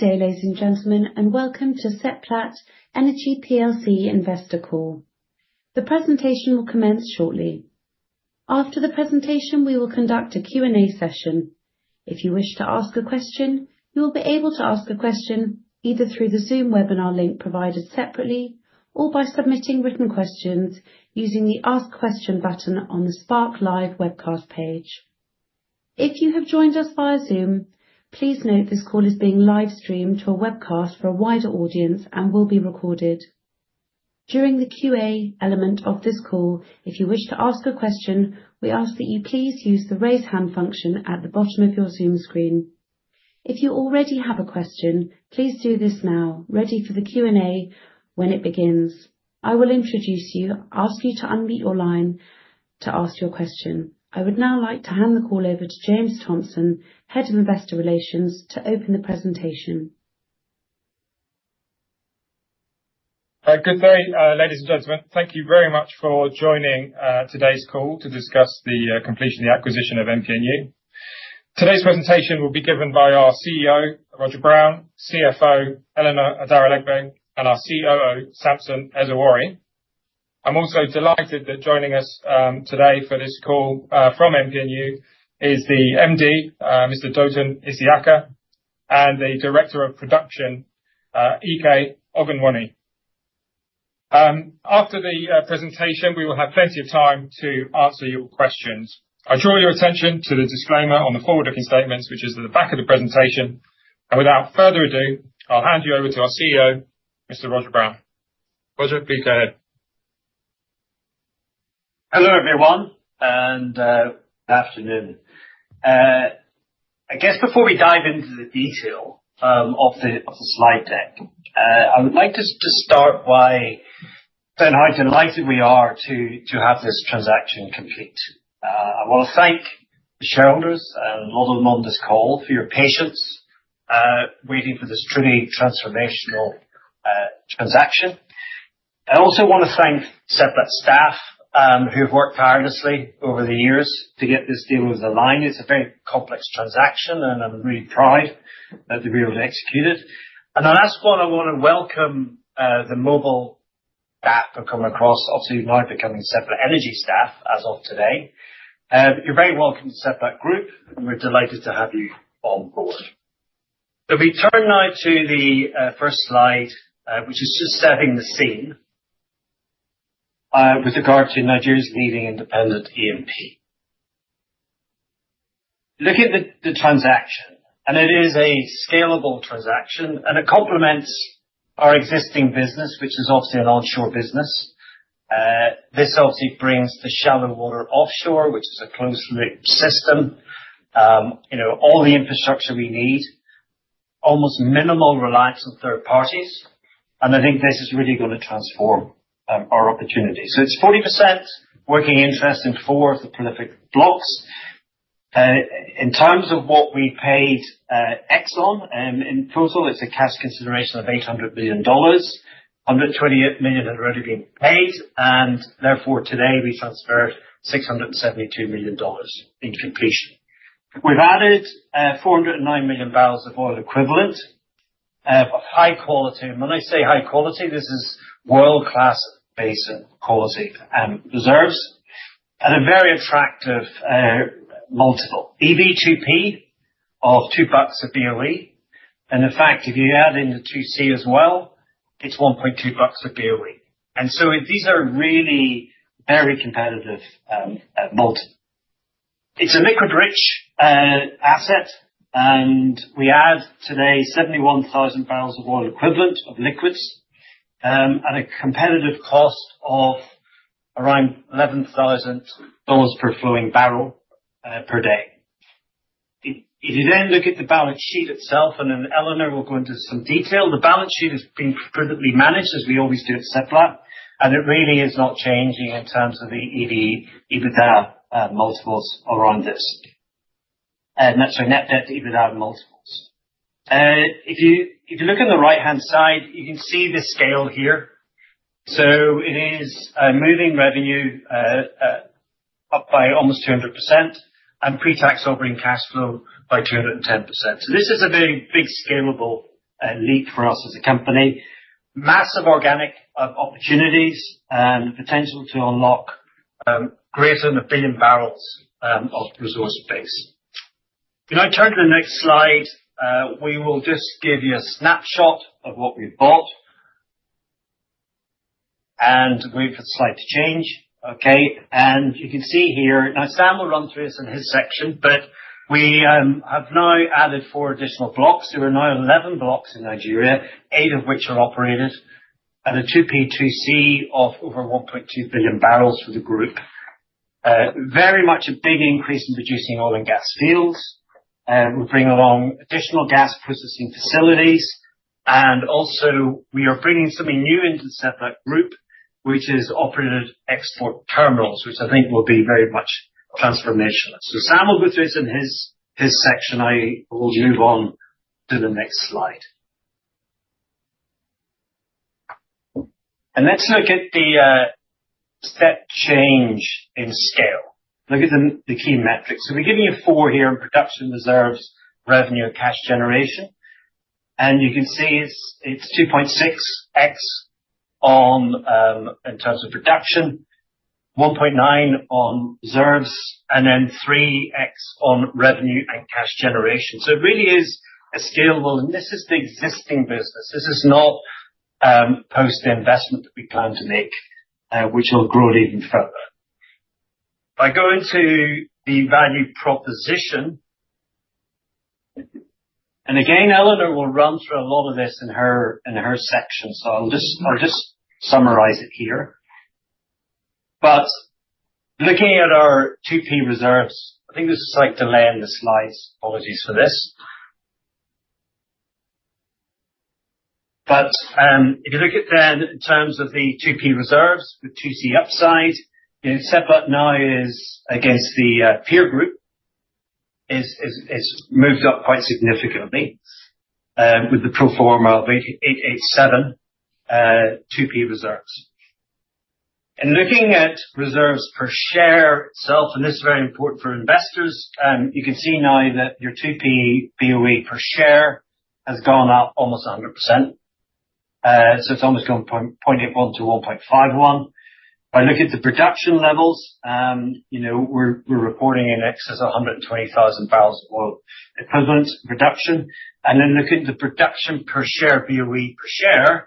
Good day, ladies and gentlemen, and welcome to Seplat Energy PLC Investor Call. The presentation will commence shortly. After the presentation, we will conduct a Q&A session. If you wish to ask a question, you will be able to ask a question either through the Zoom webinar link provided separately or by submitting written questions using the Ask Question button on the Spark Live webcast page. If you have joined us via Zoom, please note this call is being livestreamed to a webcast for a wider audience and will be recorded. During the Q&A element of this call, if you wish to ask a question, we ask that you please use the raise hand function at the bottom of your Zoom screen. If you already have a question, please do this now, ready for the Q&A when it begins. I will introduce you, ask you to unmute your line to ask your question. I would now like to hand the call over to James Thompson, Head of Investor Relations, to open the presentation. Good day, ladies and gentlemen. Thank you very much for joining today's call to discuss the completion of the acquisition of MPNU. Today's presentation will be given by our CEO, Roger Brown, CFO, Eleanor Adaralegbe, and our COO, Samson Ezugworie. I'm also delighted that joining us today for this call from MPNU is the MD, Mr. Dotun Isiaka, and the Director of Production, Eka Oghoghomeh. After the presentation, we will have plenty of time to answer your questions. I draw your attention to the disclaimer on the forward-looking statements, which is at the back of the presentation. And without further ado, I'll hand you over to our CEO, Mr. Roger Brown. Roger, please go ahead. Hello, everyone, and good afternoon. I guess before we dive into the detail of the slide deck, I would like to start by saying how delighted we are to have this transaction complete. I want to thank the shareholders and all of them on this call for your patience waiting for this truly transformational transaction. I also want to thank Seplat staff who have worked tirelessly over the years to get this deal over the line. It's a very complex transaction, and I'm really proud that we were able to execute it, and the last one, I want to welcome the Mobil staff who have come across, obviously now becoming Seplat Energy staff as of today. You're very welcome to Seplat Group, and we're delighted to have you on board. We turn now to the first slide, which is just setting the scene with regard to Nigeria's leading independent E&P. Look at the transaction, and it is a scalable transaction, and it complements our existing business, which is obviously an onshore business. This obviously brings the shallow water offshore, which is a closed-loop system, all the infrastructure we need, almost minimal reliance on third parties. And I think this is really going to transform our opportunity. So it's 40% working interest in four of the prolific blocks. In terms of what we paid Exxon in total, it's a cash consideration of $800 million. $128 million had already been paid, and therefore today we transferred $672 million in completion. We've added 409 million barrels of oil equivalent of high quality. And when I say high quality, this is world-class basin quality and reserves at a very attractive multiple. EV/2P $2 a boe. In fact, if you add in the 2C as well, it's NGN 1.2 a boe. These are really very competitive multiples. It's a liquid-rich asset, and we add today 71,000 barrels of oil equivalent of liquids at a competitive cost of around NGN 11,000 per flowing barrel per day. If you then look at the balance sheet itself, and then Eleanor will go into some detail, the balance sheet has been prudently managed, as we always do at Seplat, and it really is not changing in terms of the EBITDA multiples around this. That's our net debt to EBITDA multiples. If you look on the right-hand side, you can see the scale here. It is moving revenue up by almost 200% and pre-tax operating cash flow by 210%. This is a very big scalable leap for us as a company. Massive organic opportunities and potential to unlock greater than a billion barrels of resource space. If I turn to the next slide, we will just give you a snapshot of what we've bought. Wait for the slide to change. Okay. You can see here. Now Sam will run through this in his section, but we have now added four additional blocks. There are now 11 blocks in Nigeria, eight of which are operated, and a 2P and 2C of over 1.2 billion barrels for the group. Very much a big increase in producing oil and gas fields. We're bringing along additional gas processing facilities. Also we are bringing something new into the Seplat Group, which I think will be very much transformational. Sam will go through this in his section. I will move on to the next slide, and let's look at the step change in scale. Look at the key metrics, so we're giving you four here in production, reserves, revenue, and cash generation, and you can see it's 2.6x in terms of production, 1.9 on reserves, and then 3x on revenue and cash generation. So it really is a scalable, and this is the existing business. This is not post-investment that we plan to make, which will grow it even further. If I go into the value proposition, and again, Eleanor will run through a lot of this in her section, so I'll just summarize it here, but looking at our 2P reserves, I think there's a slight delay in the slides. Apologies for this. But if you look at then in terms of the 2P reserves with 2C upside, Seplat now is against the peer group. It's moved up quite significantly with the pro forma of 887 2P reserves. Looking at reserves per share itself, and this is very important for investors, you can see now that your 2P BOE per share has gone up almost 100%. It's almost gone from 0.81 to 1.51. If I look at the production levels, we're reporting in excess of 120,000 barrels of oil equivalent production. Looking at the production per share BOE per share,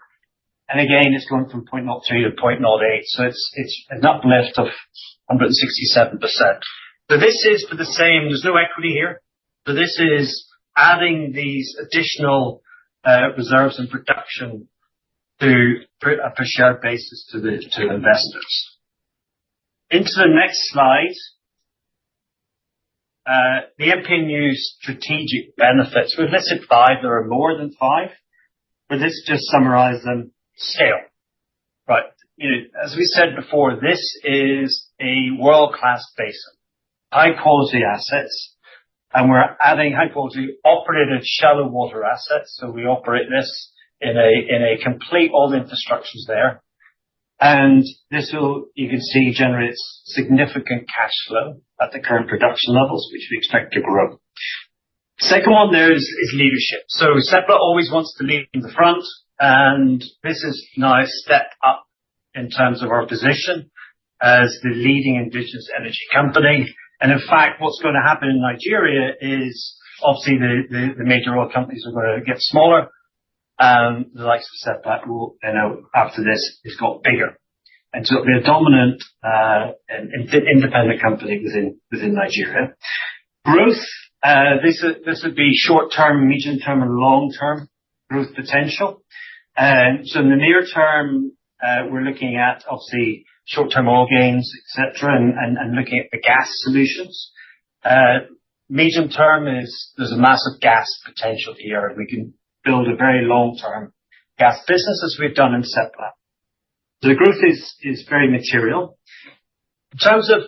and again, it's gone from 0.03 to 0.08. It's an uplift of 167%. This is for the same; there's no equity here. This is adding these additional reserves and production to put a per share basis to the investors. Into the next slide, the MPNU's strategic benefits. We've listed five. There are more than five. But let's just summarize them. Scale. Right. As we said before, this is a world-class basin, high-quality assets, and we're adding high-quality operated shallow water assets. So we operate this in a complete old infrastructure there. And this will, you can see, generate significant cash flow at the current production levels, which we expect to grow. Second one there is leadership. So Seplat always wants to lead in the front, and this is now a step up in terms of our position as the leading indigenous energy company. And in fact, what's going to happen in Nigeria is obviously the major oil companies are going to get smaller. The likes of Seplat will, you know, after this, it's got bigger. And so it'll be a dominant independent company within Nigeria. Growth, this would be short-term, medium-term, and long-term growth potential. So in the near term, we're looking at obviously short-term oil gains, etc., and looking at the gas solutions. Medium term is there's a massive gas potential here. We can build a very long-term gas business as we've done in Seplat. So the growth is very material. In terms of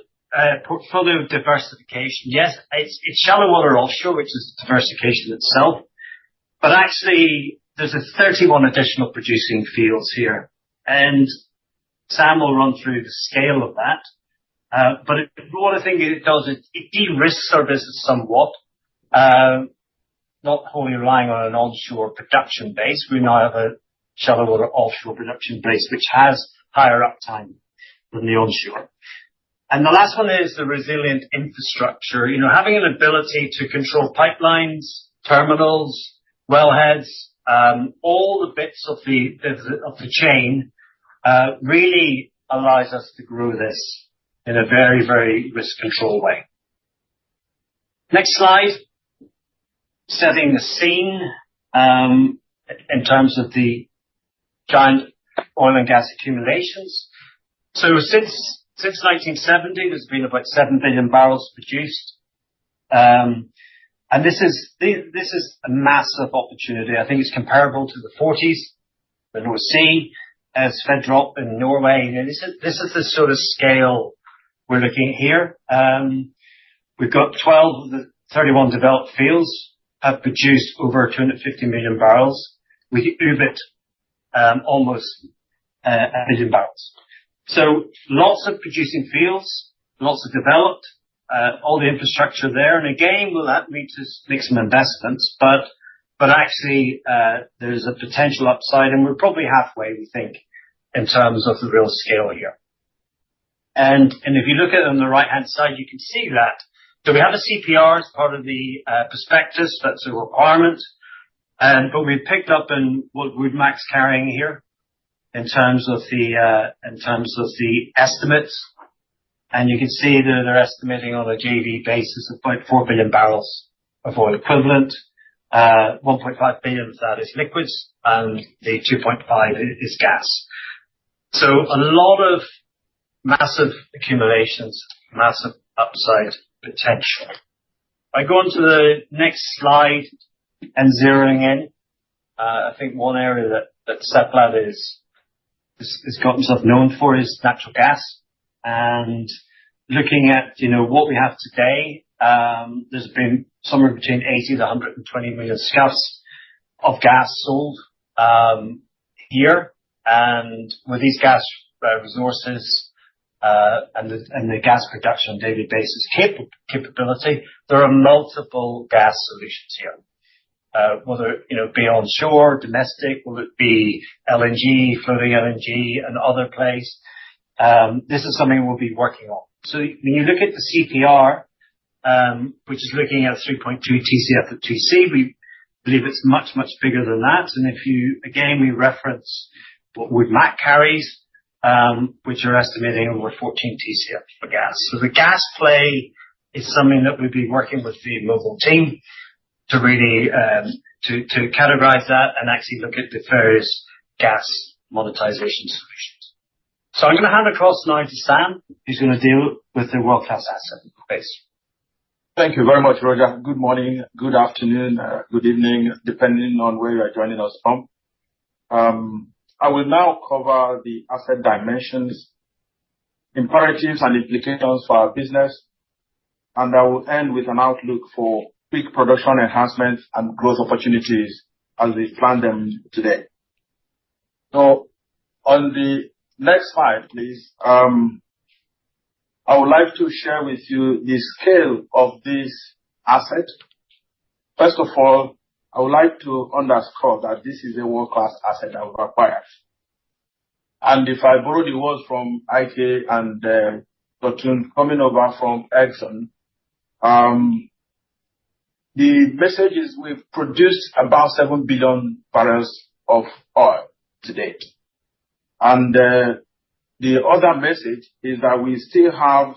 portfolio diversification, yes, it's shallow water offshore, which is diversification itself. But actually, there's 31 additional producing fields here. And Sam will run through the scale of that. But one of the things it does, it de-risks our business somewhat, not wholly relying on an onshore production base. We now have a shallow water offshore production base, which has higher uptime than the onshore. And the last one is the resilient infrastructure. Having an ability to control pipelines, terminals, wellheads, all the bits of the chain really allows us to grow this in a very, very risk-controlled way. Next slide. Setting the scene in terms of the giant oil and gas accumulations, so since 1970, there's been about seven billion barrels produced, and this is a massive opportunity. I think it's comparable to the Forties, the North Sea, as the ramp in Norway. This is the sort of scale we're looking at here. We've got 12 of the 31 developed fields have produced over 250 million barrels. We can up it almost a million barrels, so lots of producing fields, lots of developed, all the infrastructure there, and again, will that lead to some investments, but actually, there's a potential upside, and we're probably halfway, we think, in terms of the real scale here. If you look at it on the right-hand side, you can see that. So we have a CPR as part of the prospectus. That's a requirement. But we've picked up in what WoodMac is carrying here in terms of the estimates. And you can see that they're estimating on a JV basis of about four billion barrels of oil equivalent. 1.5 billion of that is liquids, and the 2.5 is gas. So a lot of massive accumulations, massive upside potential. If I go on to the next slide. And zeroing in, I think one area that Seplat has gotten itself known for is natural gas. And looking at what we have today, there's been somewhere between 80 to 120 million scf of gas sold here. With these gas resources and the gas production on a daily basis capability, there are multiple gas solutions here, whether it be onshore, domestic, whether it be LNG, floating LNG, and other places. This is something we'll be working on. When you look at the CPR, which is looking at 3.2 TCF of 2C, we believe it's much, much bigger than that. Again, we reference what Woodmax carries, which are estimating over 14 TCF for gas. The gas play is something that we've been working with the Mobil team to really categorize that and actually look at the various gas monetization solutions. I'm going to hand across now to Sam, who's going to deal with the world-class asset space. Thank you very much, Roger. Good morning, good afternoon, good evening, depending on where you're joining us from. I will now cover the asset dimensions, imperatives, and implications for our business. And I will end with an outlook for peak production enhancement and growth opportunities as we plan them today. So on the next slide, please. I would like to share with you the scale of this asset. First of all, I would like to underscore that this is a world-class asset that we've acquired. And if I borrow the words from Eke and Dr. Ndungwu coming over from Exxon, the message is we've produced about seven billion barrels of oil to date. And the other message is that we still have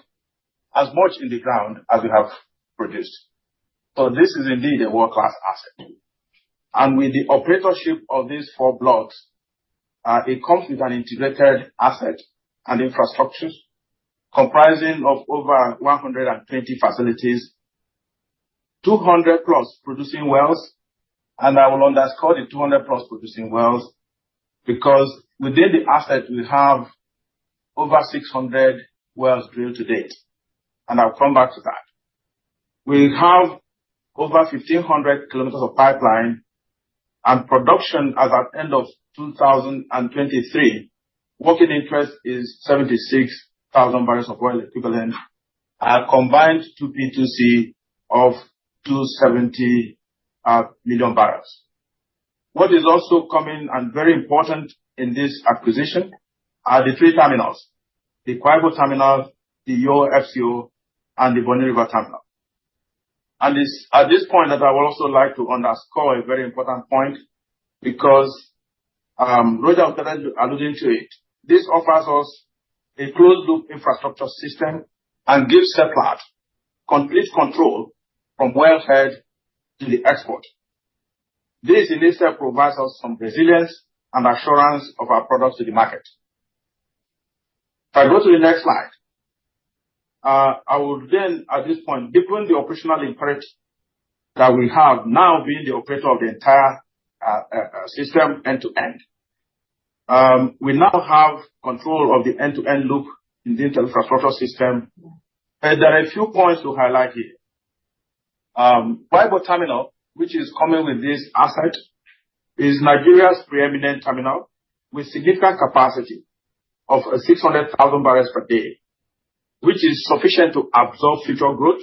as much in the ground as we have produced. So this is indeed a world-class asset. And with the operatorship of these four blocks, it comes with an integrated asset and infrastructure comprising of over 120 facilities, 200 plus producing wells. And I will underscore the 200-plus producing wells because within the asset, we have over 600 wells drilled to date. And I'll come back to that. We have over 1,500 kilometers of pipeline. And production as of end of 2023, working interest is 76,000 barrels of oil equivalent, combined 2P2C of 270 million barrels. What is also coming and very important in this acquisition are the three terminals: the Qua Iboe Terminal, the Yoho FSO, and the Bonny River Terminal. And it's at this point that I would also like to underscore a very important point because Roger was alluding to it. This offers us a closed-loop infrastructure system and gives Seplat complete control from wellhead to the export. This in itself provides us some resilience and assurance of our products to the market. If I go to the next slide, I would then at this point, given the operational imperative that we have now being the operator of the entire system end-to-end, we now have control of the end-to-end loop in the infrastructure system. There are a few points to highlight here. Qua Iboe Terminal, which is coming with this asset, is Nigeria's preeminent terminal with significant capacity of 600,000 barrels per day, which is sufficient to absorb future growth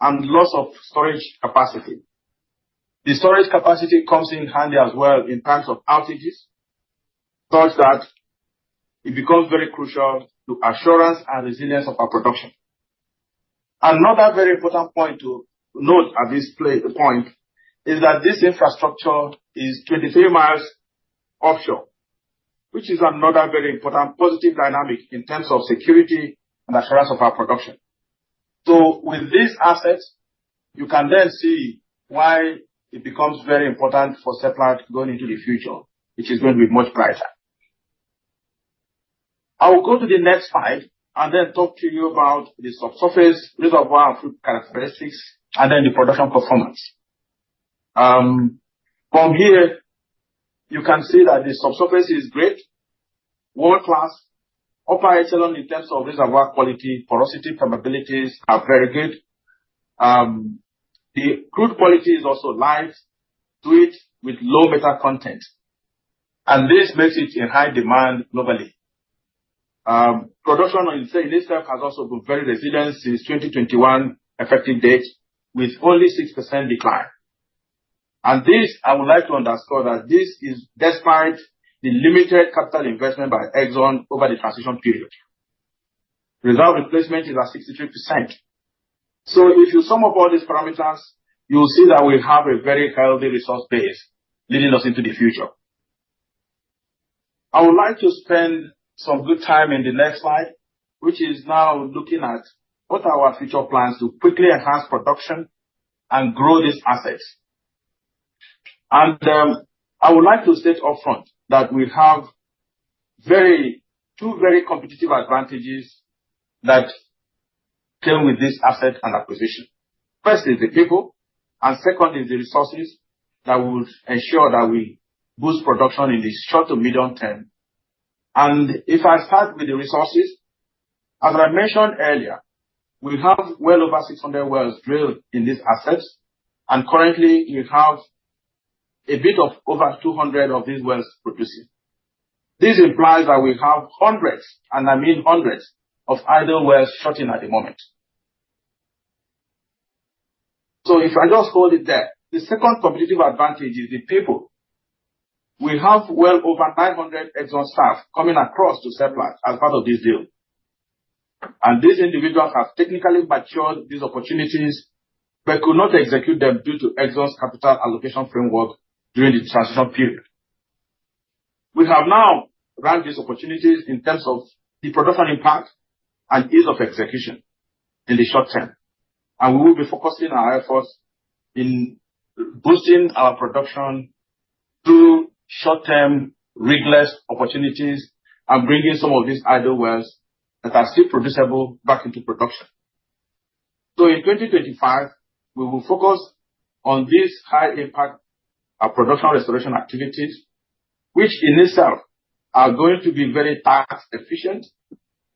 and loss of storage capacity. The storage capacity comes in handy as well in times of outages, such that it becomes very crucial to assurance and resilience of our production. Another very important point to note at this point is that this infrastructure is 23 miles offshore, which is another very important positive dynamic in terms of security and assurance of our production. With this asset, you can then see why it becomes very important for Seplat going into the future, which is going to be much brighter. I will go to the next slide and then talk to you about the subsurface reservoir and fluid characteristics, and then the production performance. From here, you can see that the subsurface is great, world-class, operates along in terms of reservoir quality, porosity, permeabilities are very good. The crude quality is also light, fluid, with low metal content. And this makes it in high demand globally. Production in itself has also been very resilient since 2021 effective date, with only 6% decline. And this, I would like to underscore that this is despite the limited capital investment by Exxon over the transition period. Reserve replacement is at 63%. So if you sum up all these parameters, you'll see that we have a very healthy resource base leading us into the future. I would like to spend some good time in the next slide, which is now looking at what are our future plans to quickly enhance production and grow this asset. And I would like to state upfront that we have two very competitive advantages that come with this asset and acquisition. First is the people, and second is the resources that will ensure that we boost production in the short to medium term. And if I start with the resources, as I mentioned earlier, we have well over 600 wells drilled in this asset. And currently, we have a bit of over 200 of these wells producing. This implies that we have hundreds, and I mean hundreds, of idle wells shutting at the moment. So if I just hold it there, the second competitive advantage is the people. We have well over 900 Exxon staff coming across to Seplat as part of this deal. And these individuals have technically matured these opportunities, but could not execute them due to Exxon's capital allocation framework during the transition period. We have now run these opportunities in terms of the production impact and ease of execution in the short term. And we will be focusing our efforts in boosting our production through short-term rigless opportunities and bringing some of these idle wells that are still producible back into production. So in 2025, we will focus on these high-impact production restoration activities, which in itself are going to be very tax-efficient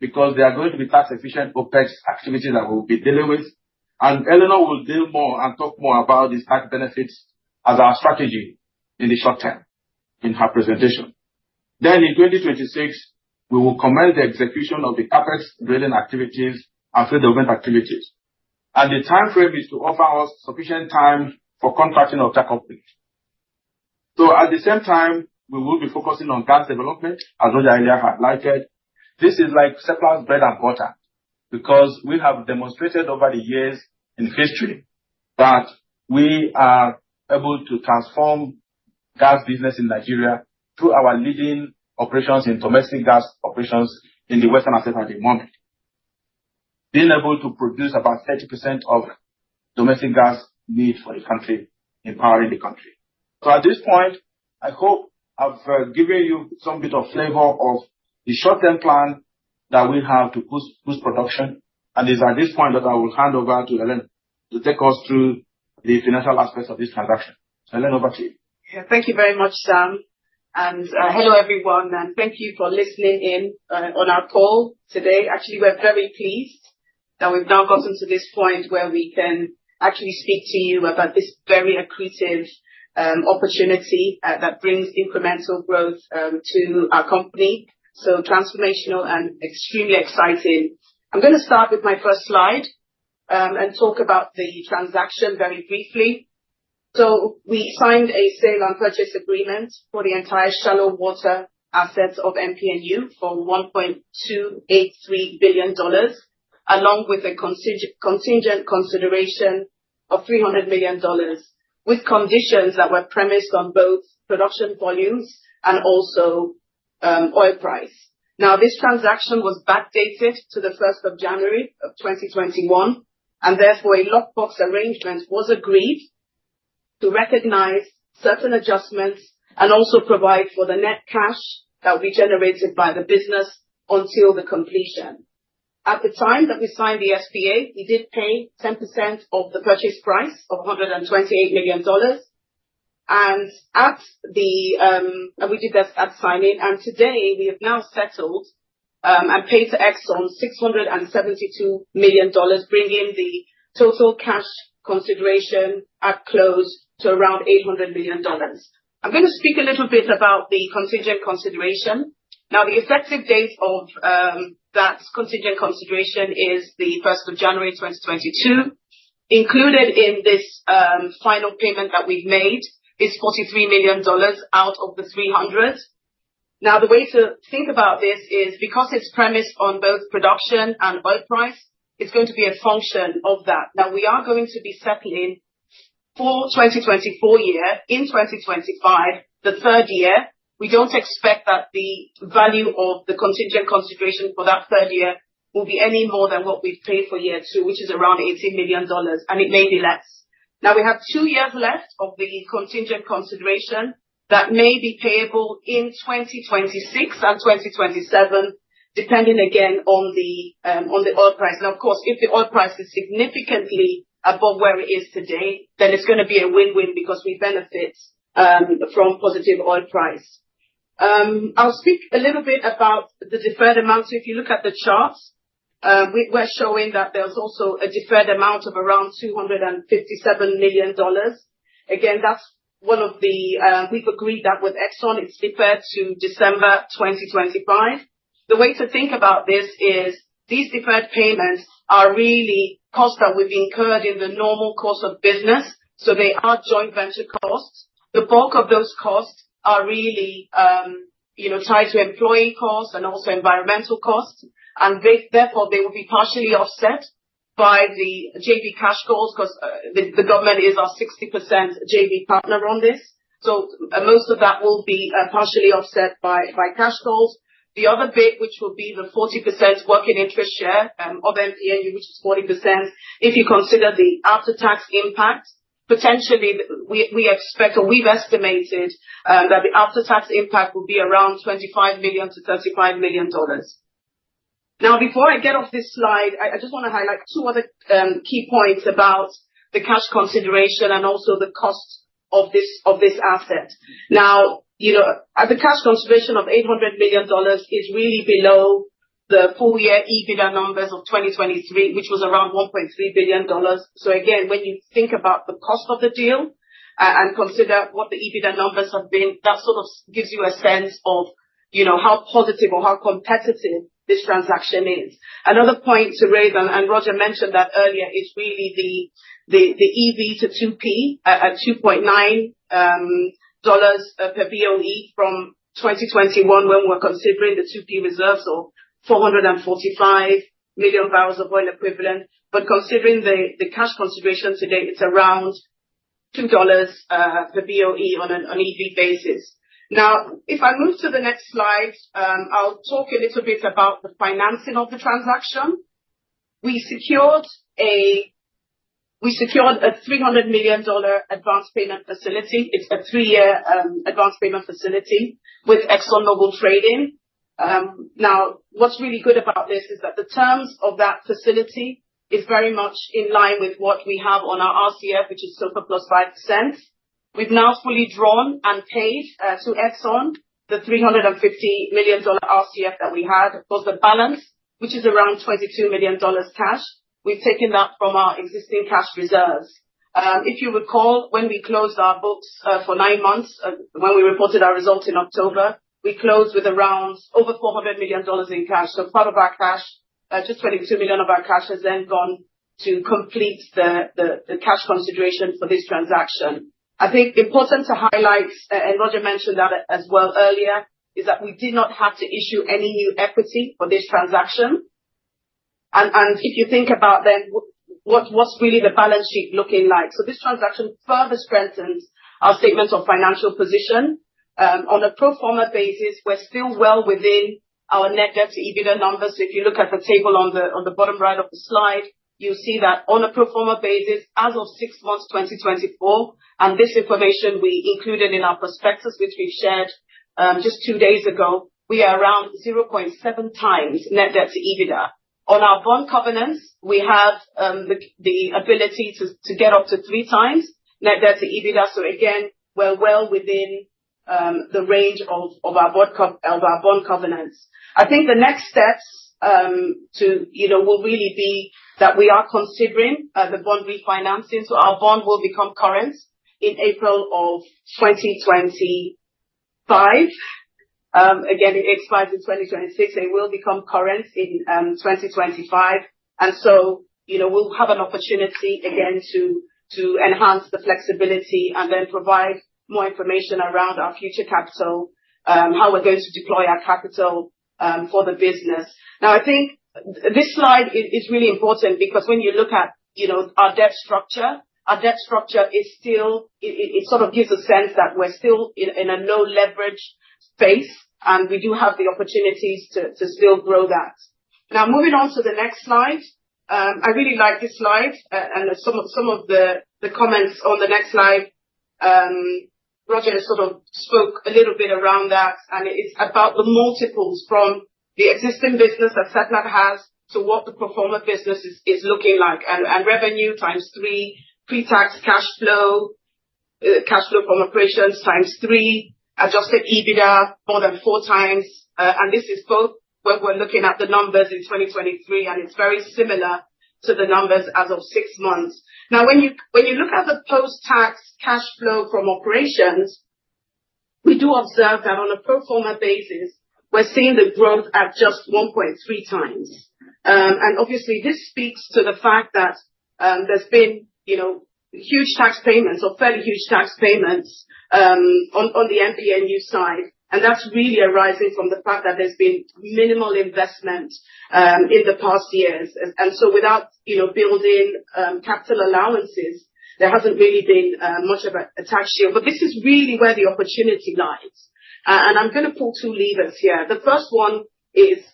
because they are going to be tax-efficient OpEx activities that we will be dealing with. Eleanor will deal more and talk more about these tax benefits as our strategy in the short term in her presentation. In 2026, we will commence the execution of the CapEx drilling activities and field development activities. The timeframe is to offer us sufficient time for contracting of that company. At the same time, we will be focusing on gas development, as Roger earlier had likened. This is like Seplat's bread and butter because we have demonstrated over the years in history that we are able to transform gas business in Nigeria through our leading operations in domestic gas operations in the Western Assets at the moment, being able to produce about 30% of domestic gas need for the country, empowering the country. At this point, I hope I've given you some bit of flavor of the short-term plan that we have to boost production. It's at this point that I will hand over to Eleanor to take us through the financial aspects of this transaction. Eleanor, over to you. Yeah, thank you very much, Sam. Hello, everyone. Thank you for listening in on our call today. Actually, we're very pleased that we've now gotten to this point where we can actually speak to you about this very accretive opportunity that brings incremental growth to our company. Transformational and extremely exciting. I'm going to start with my first slide and talk about the transaction very briefly. We signed a sale and purchase agreement for the entire shallow water asset of MPNU for $1.283 billion, along with a contingent consideration of $300 million, with conditions that were premised on both production volumes and also oil price. Now, this transaction was backdated to the 1st of January of 2021. Therefore, a lockbox arrangement was agreed to recognize certain adjustments and also provide for the net cash that we generated by the business until the completion. At the time that we signed the SPA, we did pay 10% of the purchase price of $128 million. We did that at signing. Today, we have now settled and paid to Exxon $672 million, bringing the total cash consideration at close to around $800 million. I'm going to speak a little bit about the contingent consideration. The effective date of that contingent consideration is the 1st of January 2022. Included in this final payment that we've made is $43 million out of the $300 million. The way to think about this is because it's premised on both production and oil price, it's going to be a function of that. Now, we are going to be settling for 2024 year, in 2025, the third year. We don't expect that the value of the contingent consideration for that third year will be any more than what we've paid for year two, which is around $18 million, and it may be less. Now, we have two years left of the contingent consideration that may be payable in 2026 and 2027, depending again on the oil price. Now, of course, if the oil price is significantly above where it is today, then it's going to be a win-win because we benefit from positive oil price. I'll speak a little bit about the deferred amount. So if you look at the chart, we're showing that there's also a deferred amount of around $257 million. Again, that's one of the things we've agreed with Exxon, it's deferred to December 2025. The way to think about this is these deferred payments are really costs that we've incurred in the normal course of business. So they are joint venture costs. The bulk of those costs are really tied to employee costs and also environmental costs. And therefore, they will be partially offset by the JV cash calls because the government is our 60% JV partner on this. So most of that will be partially offset by cash calls. The other bit, which will be the 40% working interest share of MPNU, which is 40%, if you consider the after-tax impact, potentially we expect, or we've estimated, that the after-tax impact will be around $25-$35 million. Now, before I get off this slide, I just want to highlight two other key points about the cash consideration and also the cost of this asset. Now, the cash consideration of $800 million is really below the full-year EBITDA numbers of 2023, which was around $1.3 billion. Again, when you think about the cost of the deal and consider what the EBITDA numbers have been, that sort of gives you a sense of how positive or how competitive this transaction is. Another point to raise, and Roger mentioned that earlier, is really the EV to 2P at $2.9 per BOE from 2021 when we're considering the 2P reserves, so 445 million barrels of oil equivalent. But considering the cash consideration today, it's around $2 per BOE on an EV basis. Now, if I move to the next slide, I'll talk a little bit about the financing of the transaction. We secured a $300 million advance payment facility. It's a three-year advance payment facility with ExxonMobil Trading. Now, what's really good about this is that the terms of that facility are very much in line with what we have on our RCF, which is SOFR plus 5%. We've now fully drawn and paid to Exxon the $350 million RCF that we had. Of course, the balance, which is around $22 million cash, we've taken that from our existing cash reserves. If you recall, when we closed our books for nine months, when we reported our results in October, we closed with around over $400 million in cash. So part of our cash, just $22 million of our cash, has then gone to complete the cash consideration for this transaction. I think important to highlight, and Roger mentioned that as well earlier, is that we did not have to issue any new equity for this transaction. If you think about, then what's really the balance sheet looking like, so this transaction further strengthens our statement of financial position. On a pro forma basis, we're still well within our net debt to EBITDA numbers. If you look at the table on the bottom right of the slide, you'll see that on a pro forma basis, as of six months 2024, and this information we included in our prospectus, which we've shared just two days ago, we are around 0.7 times net debt to EBITDA. On our bond covenants, we have the ability to get up to three times net debt to EBITDA. Again, we're well within the range of our bond covenants. I think the next steps will really be that we are considering the bond refinancing. Our bond will become current in April of 2025. Again, it expires in 2026. It will become current in 2025, and so we'll have an opportunity again to enhance the flexibility and then provide more information around our future capital, how we're going to deploy our capital for the business. Now, I think this slide is really important because when you look at our debt structure, our debt structure is still, it sort of gives a sense that we're still in a low leverage space, and we do have the opportunities to still grow that. Now, moving on to the next slide, I really like this slide, and some of the comments on the next slide, Roger sort of spoke a little bit around that. It's about the multiples from the existing business that Seplat has to what the pro forma business is looking like. Revenue times three, pre-tax cash flow, cash flow from operations times three, adjusted EBITDA more than four times. This is both when we're looking at the numbers in 2023, and it's very similar to the numbers as of six months. Now, when you look at the post-tax cash flow from operations, we do observe that on a pro forma basis, we're seeing the growth at just 1.3 times. Obviously, this speaks to the fact that there's been huge tax payments or fairly huge tax payments on the MPNU side. That's really arising from the fact that there's been minimal investment in the past years. So without building capital allowances, there hasn't really been much of a tax shield. This is really where the opportunity lies. I'm going to pull two levers here. The first one is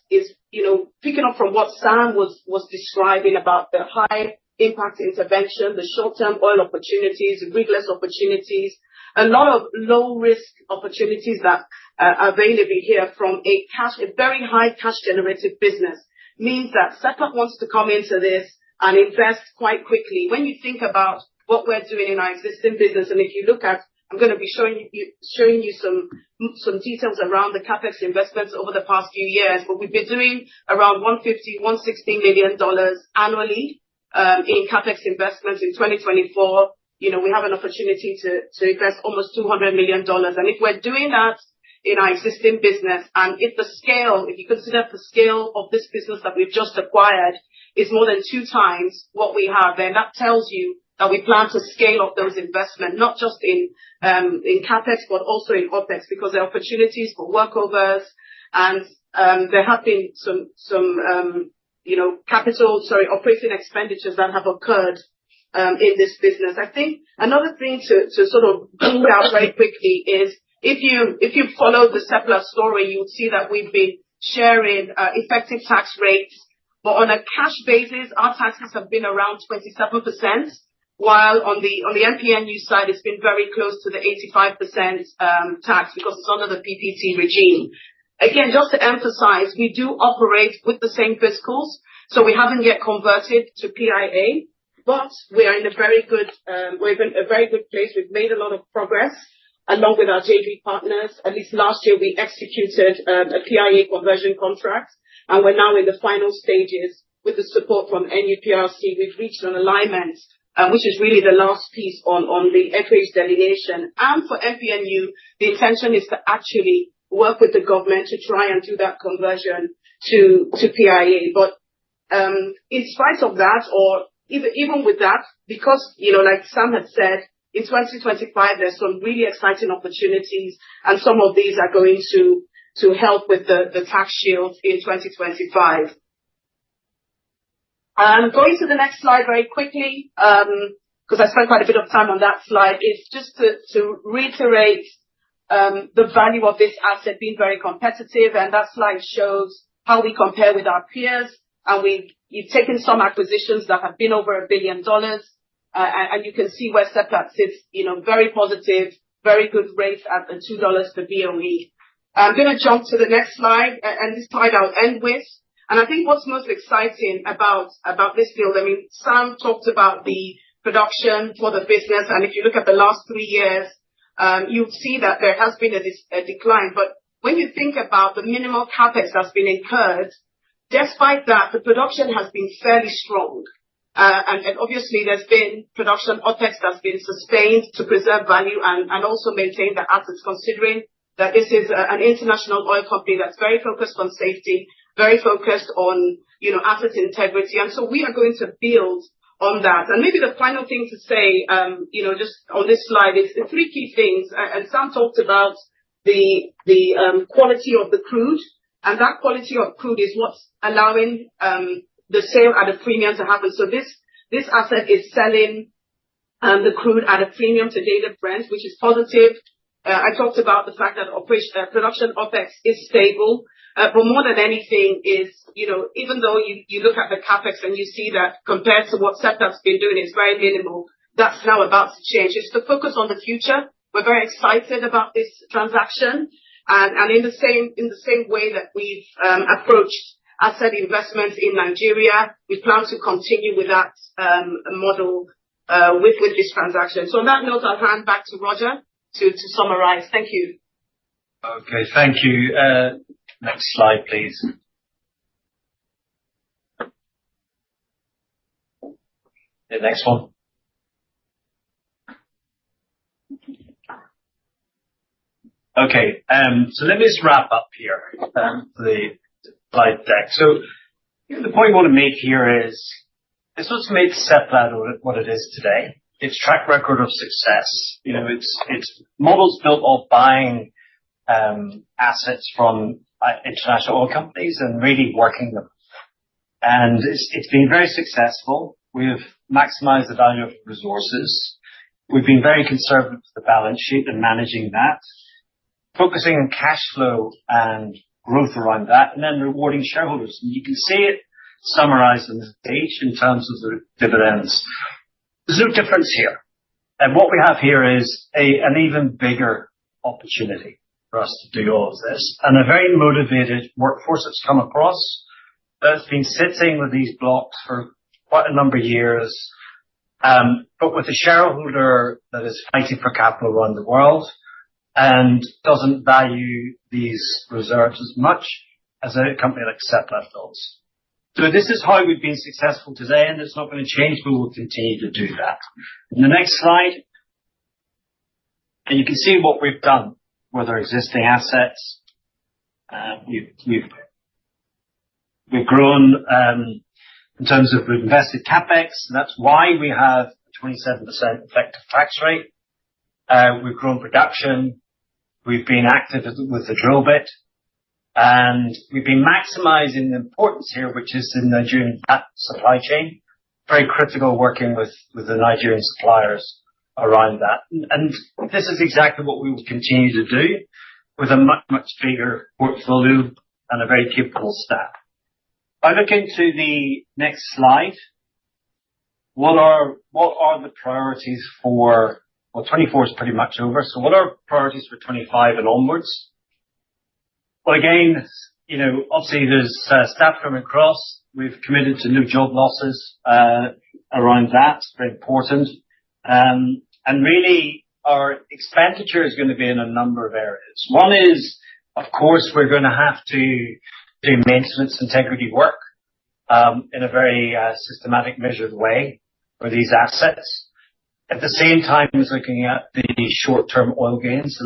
picking up from what Sam was describing about the high-impact intervention, the short-term oil opportunities, the rigless opportunities, a lot of low-risk opportunities that are available here from a very high cash-generated business. Means that Seplat wants to come into this and invest quite quickly. When you think about what we're doing in our existing business, and if you look at, I'm going to be showing you some details around the CapEx investments over the past few years. But we've been doing around $160 million annually in CapEx investments in 2024. We have an opportunity to invest almost $200 million. And if we're doing that in our existing business, and if the scale, if you consider the scale of this business that we've just acquired is more than two times what we have, then that tells you that we plan to scale up those investments, not just in CapEx, but also in OpEx, because there are opportunities for workovers. And there have been some capital, sorry, operating expenditures that have occurred in this business. I think another thing to sort of build out very quickly is if you follow the Seplat story, you'll see that we've been sharing effective tax rates. But on a cash basis, our taxes have been around 27%, while on the MPNU side, it's been very close to the 85% tax because it's under the PPT regime. Again, just to emphasize, we do operate with the same fiscals. We haven't yet converted to PIA, but we are in a very good place. We've made a lot of progress along with our JV partners. At least last year, we executed a PIA conversion contract. We're now in the final stages with the support from NUPRC. We've reached an alignment, which is really the last piece on the FH delineation. For MPNU, the intention is to actually work with the government to try and do that conversion to PIA. In spite of that, or even with that, because like Sam had said, in 2025, there's some really exciting opportunities, and some of these are going to help with the tax shield in 2025. I'm going to the next slide very quickly because I spent quite a bit of time on that slide. It's just to reiterate the value of this asset being very competitive. That slide shows how we compare with our peers. We've taken some acquisitions that have been over $1 billion. You can see where Seplat sits, very positive, very good rates at the $2 per BOE. I'm going to jump to the next slide, and this slide I'll end with. I think what's most exciting about this field, I mean, Sam talked about the production for the business. If you look at the last three years, you'll see that there has been a decline. When you think about the minimal CapEx that's been incurred, despite that, the production has been fairly strong. Obviously, there's been production OpEx that's been sustained to preserve value and also maintain the assets, considering that this is an international oil company that's very focused on safety, very focused on asset integrity. So we are going to build on that. Maybe the final thing to say, just on this slide, is three key things. Sam talked about the quality of the crude. That quality of crude is what's allowing the sale at a premium to happen. This asset is selling the crude at a premium today to Brent, which is positive. I talked about the fact that production OpEx is stable. More than anything, even though you look at the CapEx and you see that compared to what Seplat's been doing, it's very minimal. That's now about to change. It's to focus on the future. We're very excited about this transaction. In the same way that we've approached asset investments in Nigeria, we plan to continue with that model with this transaction. So on that note, I'll hand back to Roger to summarize. Thank you. Okay. Thank you. Next slide, please. The next one. Okay. So let me just wrap up here for the slide deck. So the point I want to make here is it's what makes Seplat what it is today. It's track record of success. It's model built off buying assets from international oil companies and really working them. And it's been very successful. We have maximized the value of resources. We've been very conservative with the balance sheet and managing that, focusing on cash flow and growth around that, and then rewarding shareholders. And you can see it summarized in this page in terms of the dividends. There's no difference here. And what we have here is an even bigger opportunity for us to do all of this. And a very motivated workforce that's come across that's been sitting with these blocks for quite a number of years, but with a shareholder that is fighting for capital around the world and doesn't value these reserves as much as a company like Seplat does. So this is how we've been successful today, and it's not going to change. We will continue to do that. And the next slide. And you can see what we've done with our existing assets. We've grown in terms of we've invested CapEx. That's why we have a 27% effective tax rate. We've grown production. We've been active with the drill bit. And we've been maximizing the importance here, which is in Nigerian supply chain. Very critical working with the Nigerian suppliers around that. This is exactly what we will continue to do with a much, much bigger portfolio and a very capable staff. If I look into the next slide, what are the priorities for 2024 is pretty much over. What are priorities for 2025 and onwards? Again, obviously, there's staff coming across. We've committed to no job losses around that. It's very important. And really, our expenditure is going to be in a number of areas. One is, of course, we're going to have to do maintenance integrity work in a very systematic measured way for these assets. At the same time, we're looking at the short-term oil gains,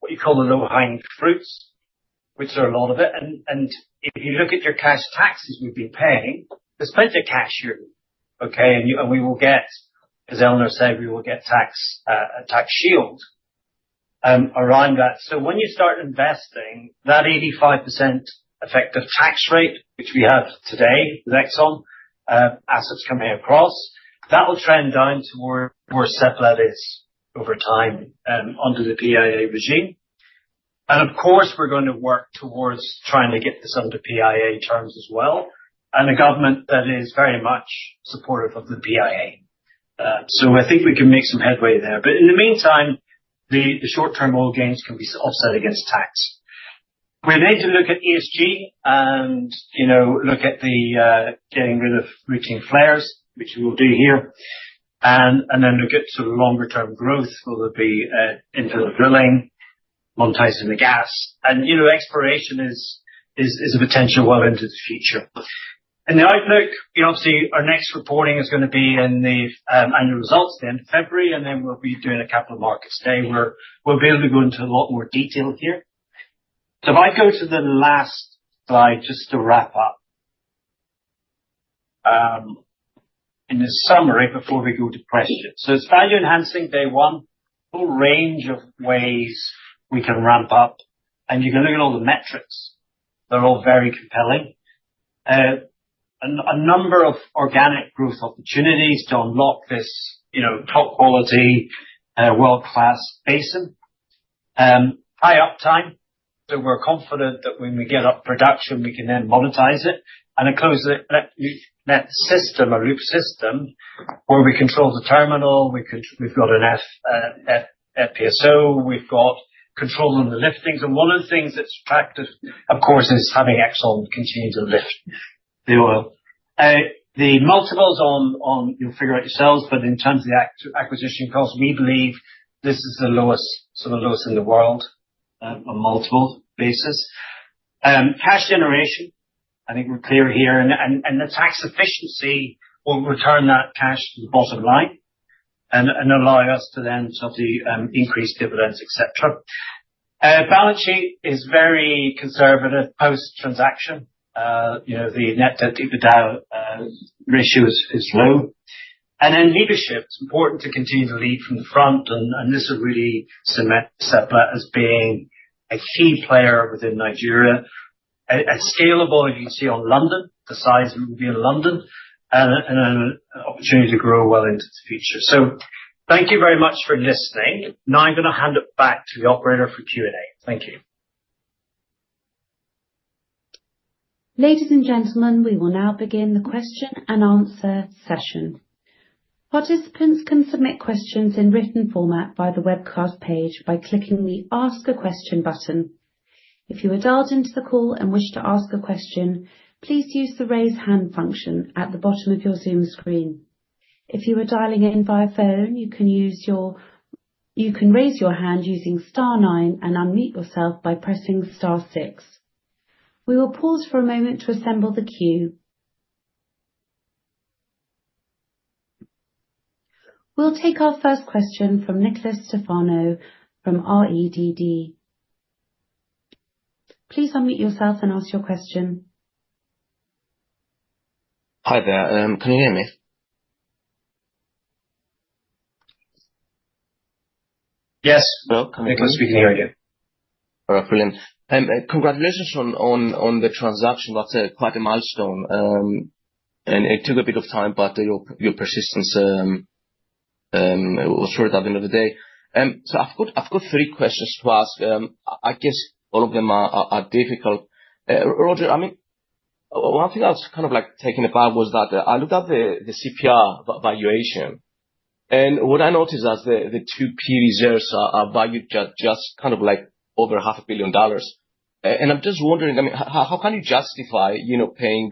what you call the low-hanging fruits, which are a lot of it. And if you look at your cash taxes we've been paying, there's plenty of cash here, okay? We will get, as Eleanor said, we will get a tax shield around that. So when you start investing, that 85% effective tax rate, which we have today, with Exxon assets coming across, that will trend down towards where Seplat is over time under the PIA regime. And of course, we're going to work towards trying to get this under PIA terms as well, and a government that is very much supportive of the PIA. So I think we can make some headway there. But in the meantime, the short-term oil gains can be offset against tax. We're going to look at ESG and look at the getting rid of routine flares, which we will do here. And then look at sort of longer-term growth, whether it be into the drilling, monetizing the gas, and exploration is a potential well into the future. In the outlook, obviously, our next reporting is going to be in the annual results at the end of February, and then we'll be doing a capital markets day where we'll be able to go into a lot more detail here, so if I go to the last slide just to wrap up in a summary before we go to questions. So it's value enhancing day one, a whole range of ways we can ramp up, and you can look at all the metrics. They're all very compelling. A number of organic growth opportunities to unlock this top-quality, world-class basin. High uptime, so we're confident that when we get up production, we can then monetize it, and it closes a loop system, a loop system where we control the terminal. We've got an FPSO. We've got control on the liftings. And one of the things that's attractive, of course, is having Exxon continue to lift the oil. The multiples on, you'll figure out yourselves, but in terms of the acquisition cost, we believe this is the lowest, sort of lowest in the world on multiple basis. Cash generation, I think we're clear here. And the tax efficiency will return that cash to the bottom line and allow us to then sort of increase dividends, etc. Balance sheet is very conservative post-transaction. The net debt-to-debt ratio is low. And then leadership. It's important to continue to lead from the front. And this will really cement Seplat as being a key player within Nigeria. It's scalable, as you see on London, the size we will be in London, and an opportunity to grow well into the future. So thank you very much for listening. Now I'm going to hand it back to the operator for Q&A. Thank you. Ladies and gentlemen, we will now begin the question and answer session. Participants can submit questions in written format by the webcast page by clicking the Ask a Question button. If you are dialed into the call and wish to ask a question, please use the raise hand function at the bottom of your Zoom screen. If you are dialing in via phone, you can raise your hand using Star 9 and unmute yourself by pressing Star 6. We will pause for a moment to assemble the queue. We'll take our first question from Nicholas Stefano from REDD. Please unmute yourself and ask your question. Hi there. Can you hear me? Yes. Well, can we hear you? All right. Brilliant. Congratulations on the transaction. That's quite a milestone. It took a bit of time, but your persistence was sorted at the end of the day. I've got three questions to ask. I guess all of them are difficult. Roger, I mean, one thing I was kind of taken aback was that I looked at the CPR valuation. What I noticed is that the 2C reserves are valued just kind of like over $500 million. I'm just wondering, I mean, how can you justify paying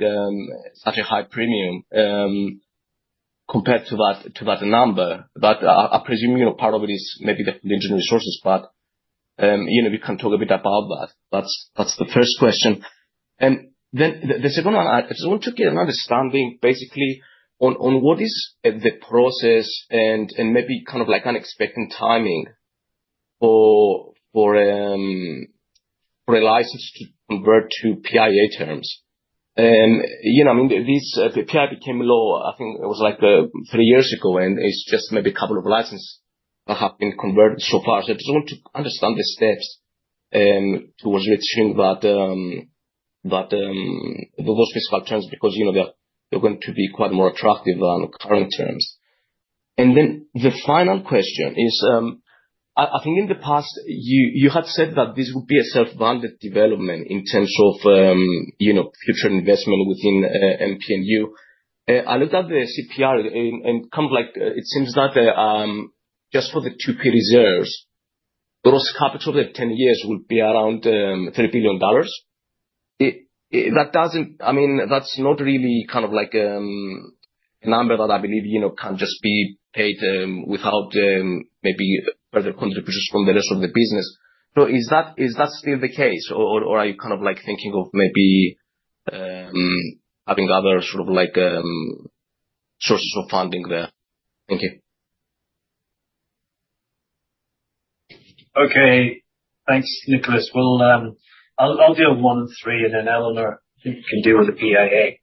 such a high premium compared to that number? I presume part of it is maybe the 2C resources, but we can talk a bit about that. That's the first question. Then the second one, I just want to get an understanding basically on what is the process and maybe kind of like unexpected timing for a license to convert to PIA terms. I mean, this PIA became law, I think it was like three years ago, and it's just maybe a couple of licenses that have been converted so far. So I just want to understand the steps towards reaching those fiscal terms because they're going to be quite more attractive than current terms. And then the final question is, I think in the past, you had said that this would be a self-funded development in terms of future investment within MPNU. I looked at the CPR, and it seems that just for the two key reserves, gross capital of the 10 years will be around $3 billion. I mean, that's not really kind of like a number that I believe can just be paid without maybe further contributions from the rest of the business. So is that still the case, or are you kind of thinking of maybe having other sort of sources of funding there? Thank you. Okay. Thanks, Nikolas. I'll do one and three, and then Eleanor, you can deal with the PIA.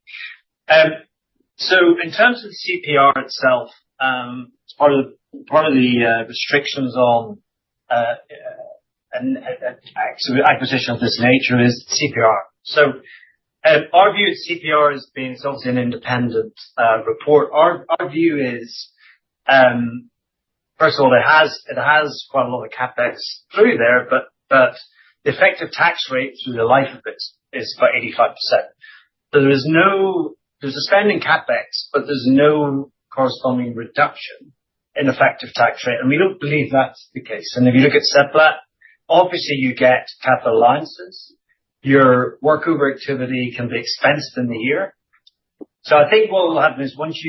So in terms of the CPR itself, part of the restrictions on acquisition of this nature is CPR. So our view of CPR has been it's obviously an independent report. Our view is, first of all, it has quite a lot of CapEx through there, but the effective tax rate through the life of it is about 85%. So there's a spending CapEx, but there's no corresponding reduction in effective tax rate. And we don't believe that's the case. And if you look at Seplat, obviously, you get capital allowances. Your workover activity can be expensed in the year. So I think what will happen is once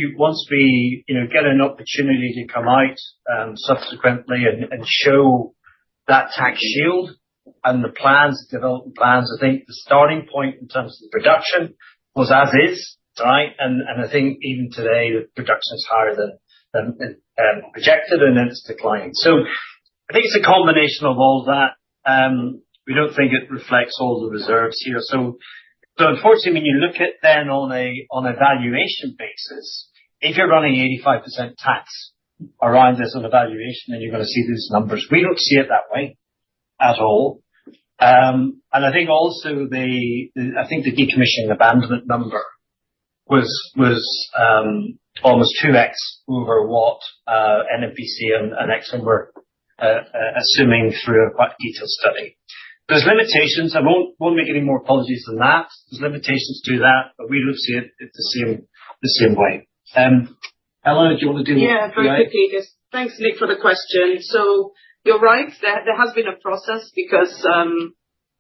we get an opportunity to come out subsequently and show that tax shield and the development plans, I think the starting point in terms of production was as-is, right? And I think even today, the production is higher than projected, and it's declined. So I think it's a combination of all that. We don't think it reflects all the reserves here. So unfortunately, when you look at then on a valuation basis, if you're running 85% tax around this on a valuation, then you're going to see these numbers. We don't see it that way at all. And I think also the decommissioning abandonment number was almost 2x over what NNPC and Exxon were assuming through a quite detailed study. There's limitations. I won't make any more apologies than that. There's limitations to that, but we don't see it the same way. Eleanor, do you want to do? Yeah. Very quickly, just thanks, Nick, for the question. So you're right. There has been a process because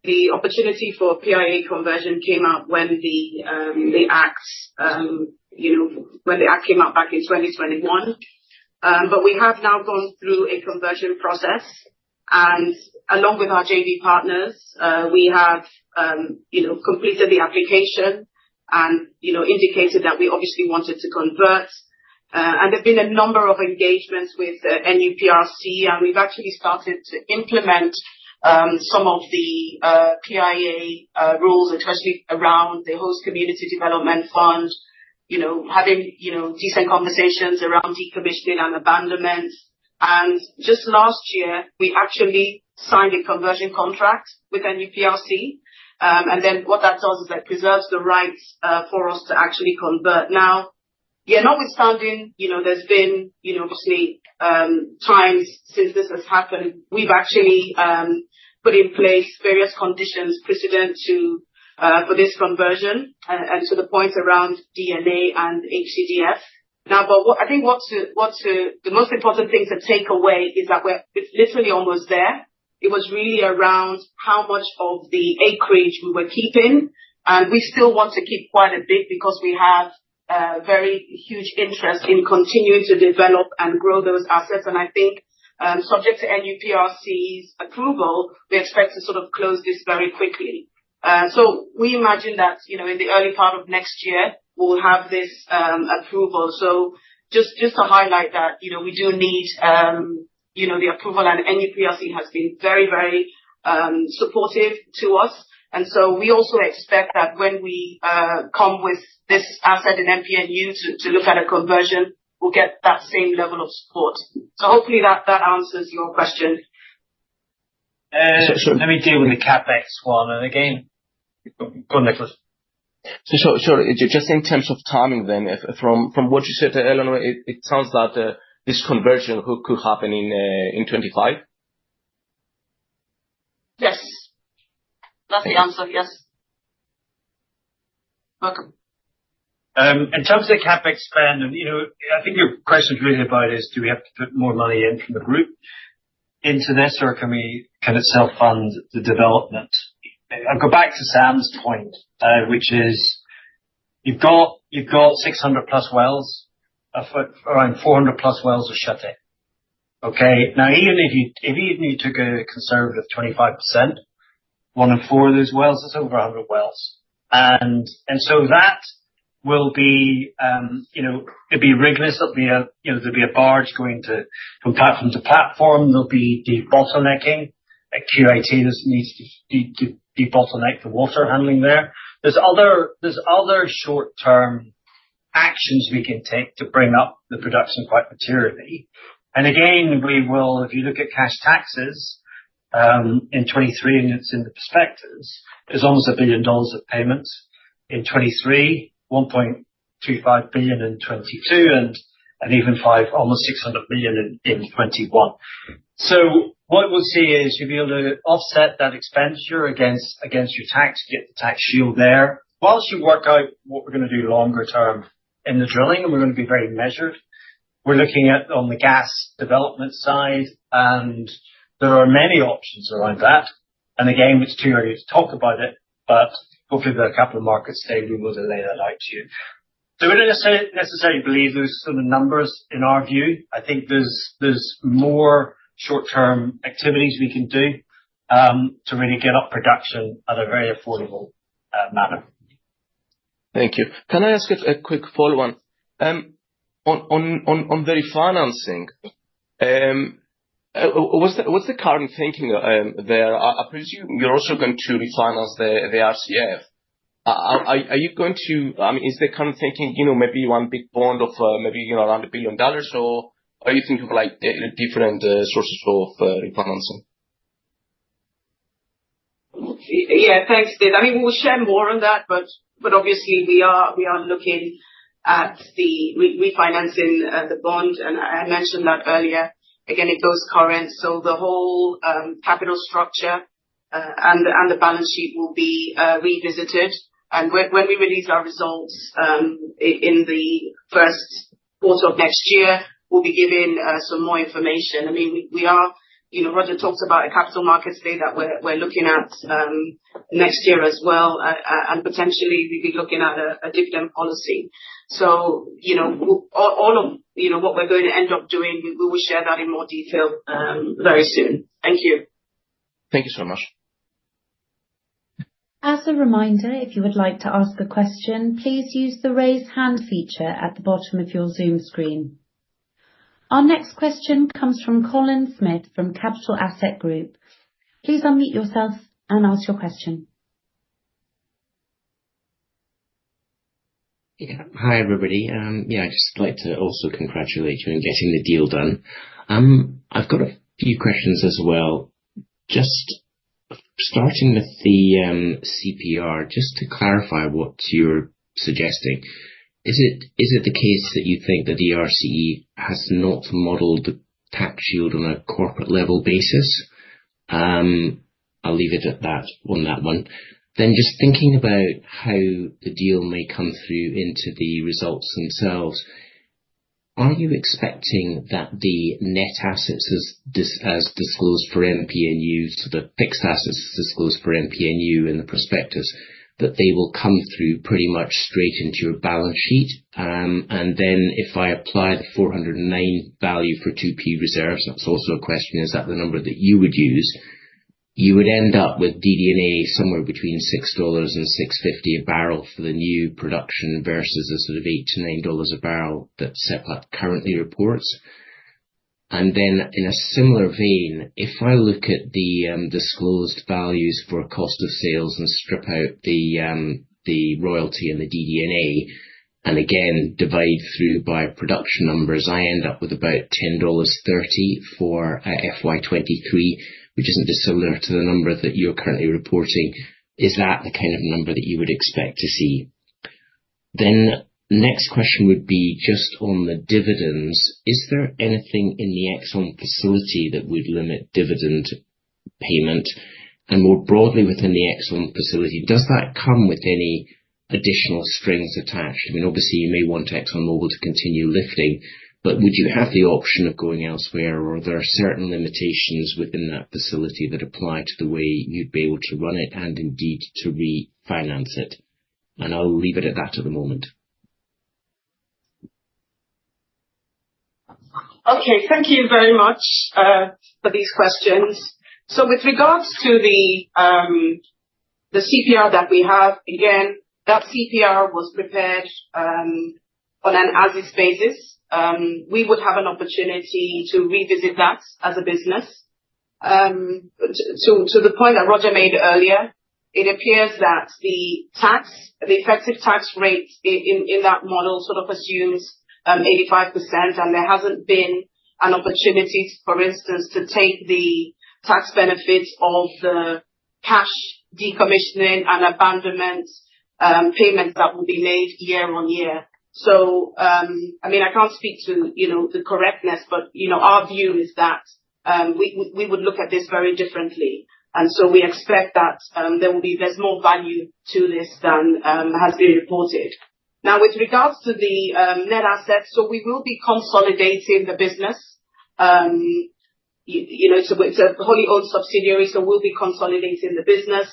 the opportunity for PIA conversion came up when the act came out back in 2021, but we have now gone through a conversion process. Along with our JV partners, we have completed the application and indicated that we obviously wanted to convert. There've been a number of engagements with NUPRC, and we've actually started to implement some of the PIA rules, especially around the host community development fund, having decent conversations around decommissioning and abandonment. Just last year, we actually signed a conversion contract with NUPRC. Then what that does is that preserves the rights for us to actually convert. Now, yeah, notwithstanding, there's been obviously times since this has happened. We've actually put in place various conditions precedent for this conversion and to the point around DD&A and HCDF. Now, I think the most important thing to take away is that we're literally almost there. It was really around how much of the acreage we were keeping. And we still want to keep quite a bit because we have very huge interest in continuing to develop and grow those assets. And I think subject to NUPRC's approval, we expect to sort of close this very quickly. So we imagine that in the early part of next year, we'll have this approval. So just to highlight that we do need the approval, and NUPRC has been very, very supportive to us. And so we also expect that when we come with this asset in MPNU to look at a conversion, we'll get that same level of support. So hopefully, that answers your question. So let me deal with the CapEx one. And again, go on, Nicholas. So just in terms of timing then, from what you said to Eleanor, it sounds that this conversion could happen in 25? Yes. That's the answer. Yes. Welcome. In terms of the CapEx spend, I think your question really about is, do we have to put more money in from the group into this, or can it self-fund the development? I'll go back to Sam's point, which is you've got 600-plus wells, around 400-plus shut-in wells. Okay? Now, even if you took a conservative 25%, one in four of those wells, that's over 100 wells. And so that will be it'd be rigless. There'll be a barge going from platform to platform. There'll be de-bottlenecking. A QIT needs to de-bottleneck the water handling there. There's other short-term actions we can take to bring up the production quite materially. And again, if you look at cash taxes in 2023, and it's in the prospectus, there's almost $1 billion of payments in 2023, $1.25 billion in 2022, and even almost $600 million in 2021. So what we'll see is you'll be able to offset that expenditure against your tax, get the tax shield there. While you work out what we're going to do longer term in the drilling, and we're going to be very measured, we're looking at on the gas development side, and there are many options around that. And again, it's too early to talk about it, but hopefully, the capital markets day, we will relay that out to you. We don't necessarily believe those sort of numbers in our view. I think there's more short-term activities we can do to really get up production at a very affordable manner. Thank you. Can I ask a quick follow-up? On the refinancing, what's the current thinking there? I presume you're also going to refinance the RCF. Are you going to, I mean, is the current thinking maybe one big bond of maybe around $1 billion, or are you thinking of different sources of refinancing? Yeah. Thanks, Nick. I mean, we'll share more on that, but obviously, we are looking at the refinancing of the bond. And I mentioned that earlier. Again, it goes current. The whole capital structure and the balance sheet will be revisited. When we release our results in the first quarter of next year, we'll be giving some more information. I mean, Roger talked about a capital markets day that we're looking at next year as well. Potentially, we'll be looking at a dividend policy. So all of what we're going to end up doing, we will share that in more detail very soon. Thank you. Thank you so much. As a reminder, if you would like to ask a question, please use the raise hand feature at the bottom of your Zoom screen. Our next question comes from Colin Smith from Capital Access Group. Please unmute yourself and ask your question. Hi, everybody. I just like to also congratulate you on getting the deal done. I've got a few questions as well. Just starting with the CPR, just to clarify what you're suggesting, is it the case that you think that the CPR has not modeled the tax shield on a corporate-level basis? I'll leave it at that on that one. Then just thinking about how the deal may come through into the results themselves, are you expecting that the net assets as disclosed for MPNU, so the fixed assets disclosed for MPNU in the prospectus, that they will come through pretty much straight into your balance sheet? And then if I apply the $4.09 value for 2C reserves, that's also a question, is that the number that you would use? You would end up with DD&A somewhere between $6-$6.50 a barrel for the new production versus a sort of $8-$9 a barrel that Seplat currently reports. In a similar vein, if I look at the disclosed values for cost of sales and strip out the royalty and the DD&A, and again, divide through by production numbers, I end up with about $10.30 for FY23, which isn't dissimilar to the number that you're currently reporting. Is that the kind of number that you would expect to see? The next question would be just on the dividends. Is there anything in the Exxon facility that would limit dividend payment? And more broadly, within the Exxon facility, does that come with any additional strings attached? I mean, obviously, you may want ExxonMobil to continue lifting, but would you have the option of going elsewhere, or are there certain limitations within that facility that apply to the way you'd be able to run it and indeed to refinance it? I'll leave it at that at the moment. Okay. Thank you very much for these questions. With regards to the CPR that we have, again, that CPR was prepared on an as-is basis. We would have an opportunity to revisit that as a business. To the point that Roger made earlier, it appears that the effective tax rate in that model sort of assumes 85%, and there hasn't been an opportunity, for instance, to take the tax benefits of the cash decommissioning and abandonment payments that will be made year on year. I mean, I can't speak to the correctness, but our view is that we would look at this very differently. We expect that there's more value to this than has been reported. Now, with regards to the net assets, we will be consolidating the business. It's a wholly owned subsidiary, so we'll be consolidating the business.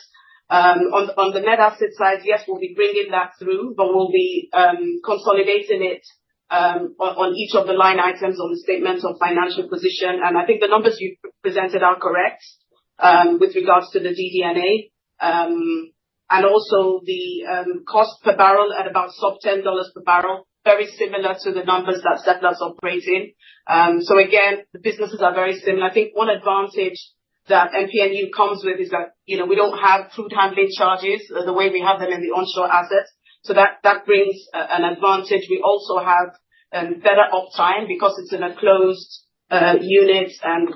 On the net asset side, yes, we'll be bringing that through, but we'll be consolidating it on each of the line items on the statement of financial position. And I think the numbers you presented are correct with regards to the DD&A and also the cost per barrel at about sub $10 per barrel, very similar to the numbers that Seplat's operating. So again, the businesses are very similar. I think one advantage that MPNU comes with is that we don't have crude handling charges the way we have them in the onshore assets. We also have better uptime because it's in a closed unit, and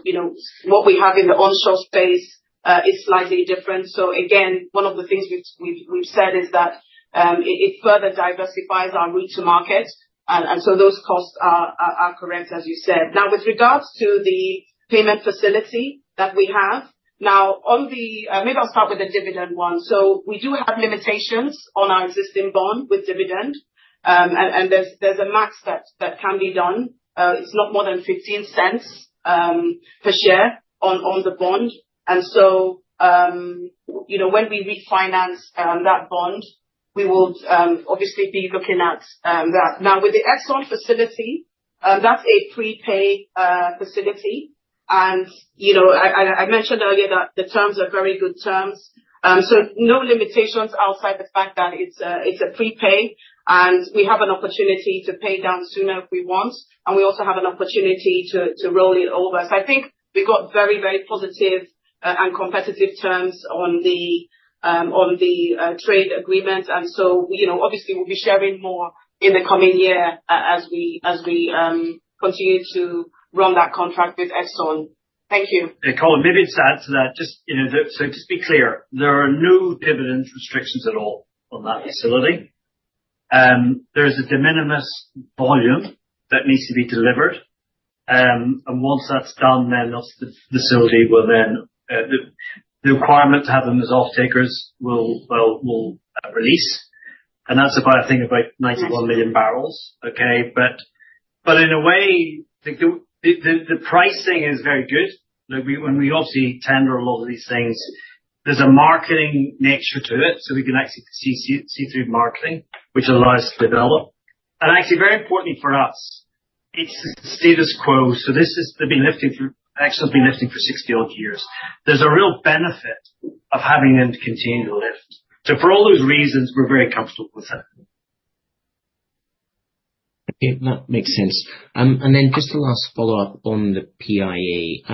what we have in the onshore space is slightly different. So again, one of the things we've said is that it further diversifies our route to market. Those costs are correct, as you said. Now, with regards to the payment facility that we have, now, maybe I'll start with the dividend one. We do have limitations on our existing bond with dividend, and there's a max that can be done. It's not more than $0.15 per share on the bond. And so when we refinance that bond, we will obviously be looking at that. Now, with the Exxon facility, that's a prepay facility. And I mentioned earlier that the terms are very good terms. So no limitations outside the fact that it's a prepay, and we have an opportunity to pay down sooner if we want, and we also have an opportunity to roll it over. So I think we've got very, very positive and competitive terms on the trade agreement. And so obviously, we'll be sharing more in the coming year as we continue to run that contract with Exxon. Thank you. Yeah. Colin, maybe it's to add to that, just so be clear, there are no dividend restrictions at all on that facility. There is a de minimis volume that needs to be delivered. And once that's done, then the facility will, then the requirement to have them as off-takers will release. And that's about, I think, 91 million barrels. Okay? But in a way, the pricing is very good. When we obviously tender a lot of these things, there's a marketing nature to it. So we can actually see through marketing, which allows us to develop. And actually, very importantly for us, it's the status quo. So this has been lifting for Exxon. Exxon's been lifting for 60-odd years. There's a real benefit of having them continue to lift. So for all those reasons, we're very comfortable with it. Okay. That makes sense. And then just a last follow-up on the PIA.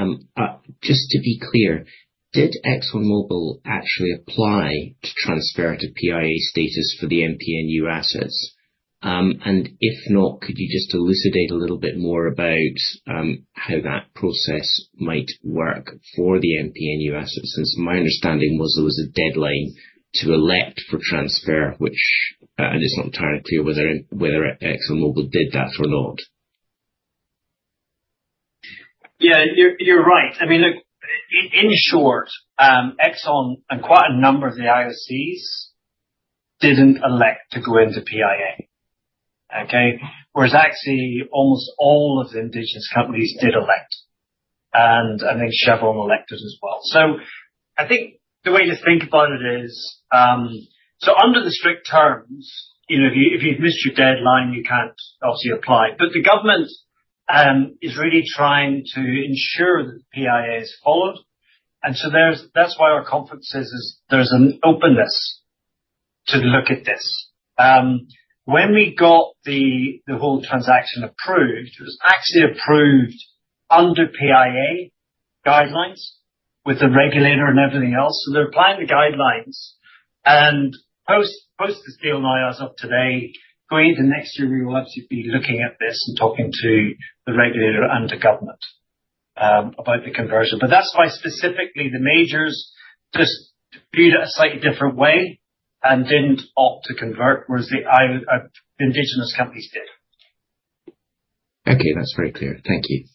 Just to be clear, did ExxonMobil actually apply to transfer to PIA status for the MPNU assets? And if not, could you just elucidate a little bit more about how that process might work for the MPNU assets? Since my understanding was there was a deadline to elect for transfer, which I'm just not entirely clear whether ExxonMobil did that or not. Yeah. You're right. I mean, in short, Exxon and quite a number of the IOCs didn't elect to go into PIA. Okay? Whereas actually, almost all of the indigenous companies did elect. And I think Chevron elected as well. So I think the way to think about it is, so under the strict terms, if you've missed your deadline, you can't obviously apply. But the government is really trying to ensure that the PIA is followed. And so that's why our counsel says there's an openness to look at this. When we got the whole transaction approved, it was actually approved under PIA guidelines with the regulator and everything else. So they're applying the guidelines. And post this deal, and as of today, going into next year, we will actually be looking at this and talking to the regulator and the government about the conversion. But that's why specifically the majors just viewed it a slightly different way and didn't opt to convert, whereas the indigenous companies did. Okay. That's very clear. Thank you.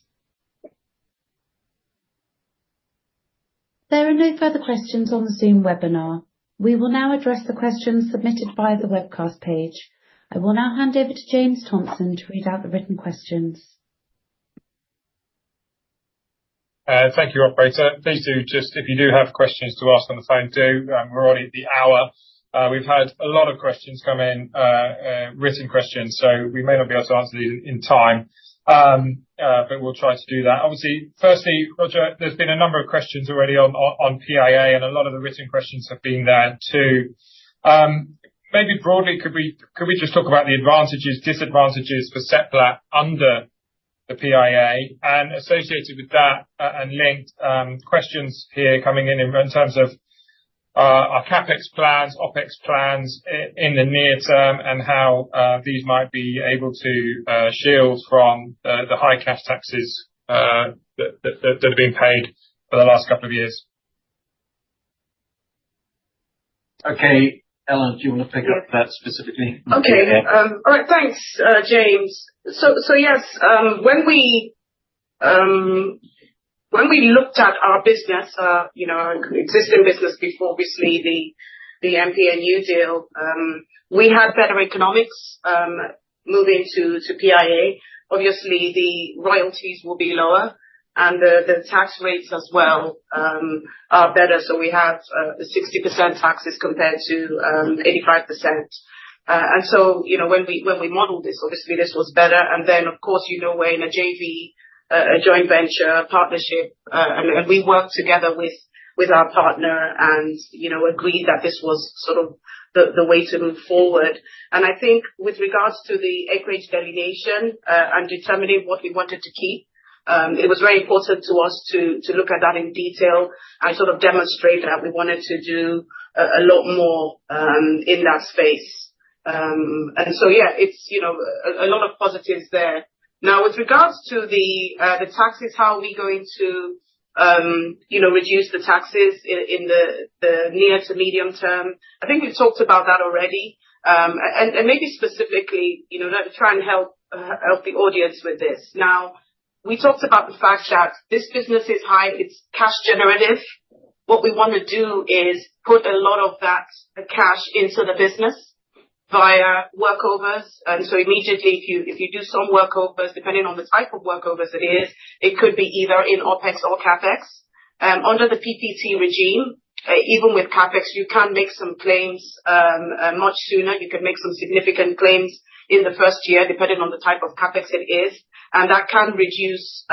There are no further questions on the Zoom webinar. We will now address the questions submitted via the webcast page. I will now hand over to James Thompson to read out the written questions. Thank you, Operator. Please do, just if you do have questions to ask on the phone, do. We're already at the hour. We've had a lot of questions come in, written questions. So we may not be able to answer these in time, but we'll try to do that. Obviously, firstly, Roger, there's been a number of questions already on PIA, and a lot of the written questions have been there too. Maybe broadly, could we just talk about the advantages, disadvantages for Seplat under the PIA and associated with that and linked questions here coming in in terms of our CapEx plans, OpEx plans in the near term, and how these might be able to shield from the high cash taxes that have been paid for the last couple of years? Okay. Eleanor, do you want to pick up that specifically? Okay. All right. Thanks, James. So yes, when we looked at our business, our existing business before obviously the MPNU deal, we had better economics moving to PIA. Obviously, the royalties will be lower, and the tax rates as well are better. So we have a 60% tax compared to 85%. And so when we modeled this, obviously, this was better. Then, of course, we're in a JV, a joint venture partnership, and we worked together with our partner and agreed that this was sort of the way to move forward. I think with regards to the acreage delineation and determining what we wanted to keep, it was very important to us to look at that in detail and sort of demonstrate that we wanted to do a lot more in that space. So yeah, it's a lot of positives there. Now, with regards to the taxes, how are we going to reduce the taxes in the near to medium term? I think we've talked about that already. Maybe specifically, try and help the audience with this. Now, we talked about the fact that this business is highly cash generative. What we want to do is put a lot of that cash into the business via workovers, and so immediately, if you do some workovers, depending on the type of workovers it is, it could be either in OpEx or CapEx. Under the PPT regime, even with CapEx, you can make some claims much sooner. You can make some significant claims in the first year, depending on the type of CapEx it is, and that can reduce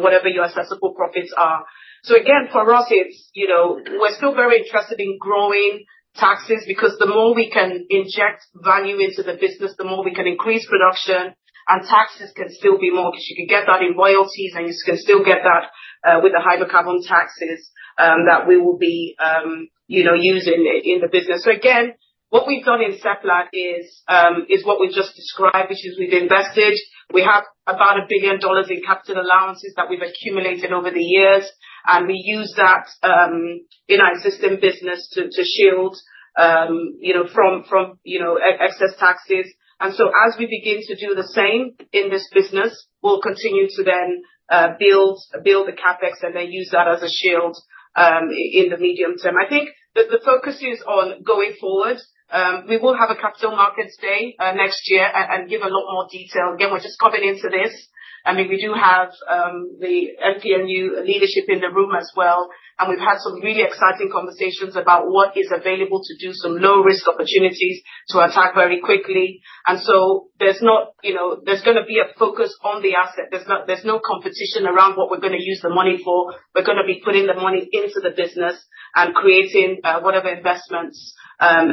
whatever your assessable profits are, so again, for us, we're still very interested in growing taxes because the more we can inject value into the business, the more we can increase production, and taxes can still be mortgaged, you can get that in royalties, and you can still get that with the hydrocarbon taxes that we will be using in the business. So again, what we've done in Seplat is what we've just described, which is we've invested. We have about $1 billion in capital allowances that we've accumulated over the years, and we use that in our existing business to shield from excess taxes. And so as we begin to do the same in this business, we'll continue to then build the CapEx and then use that as a shield in the medium term. I think the focus is on going forward. We will have a capital markets day next year and give a lot more detail. Again, we're just coming into this. I mean, we do have the MPNU leadership in the room as well, and we've had some really exciting conversations about what is available to do some low-risk opportunities to attack very quickly. And so there's not. There's going to be a focus on the asset. There's no competition around what we're going to use the money for. We're going to be putting the money into the business and creating whatever investments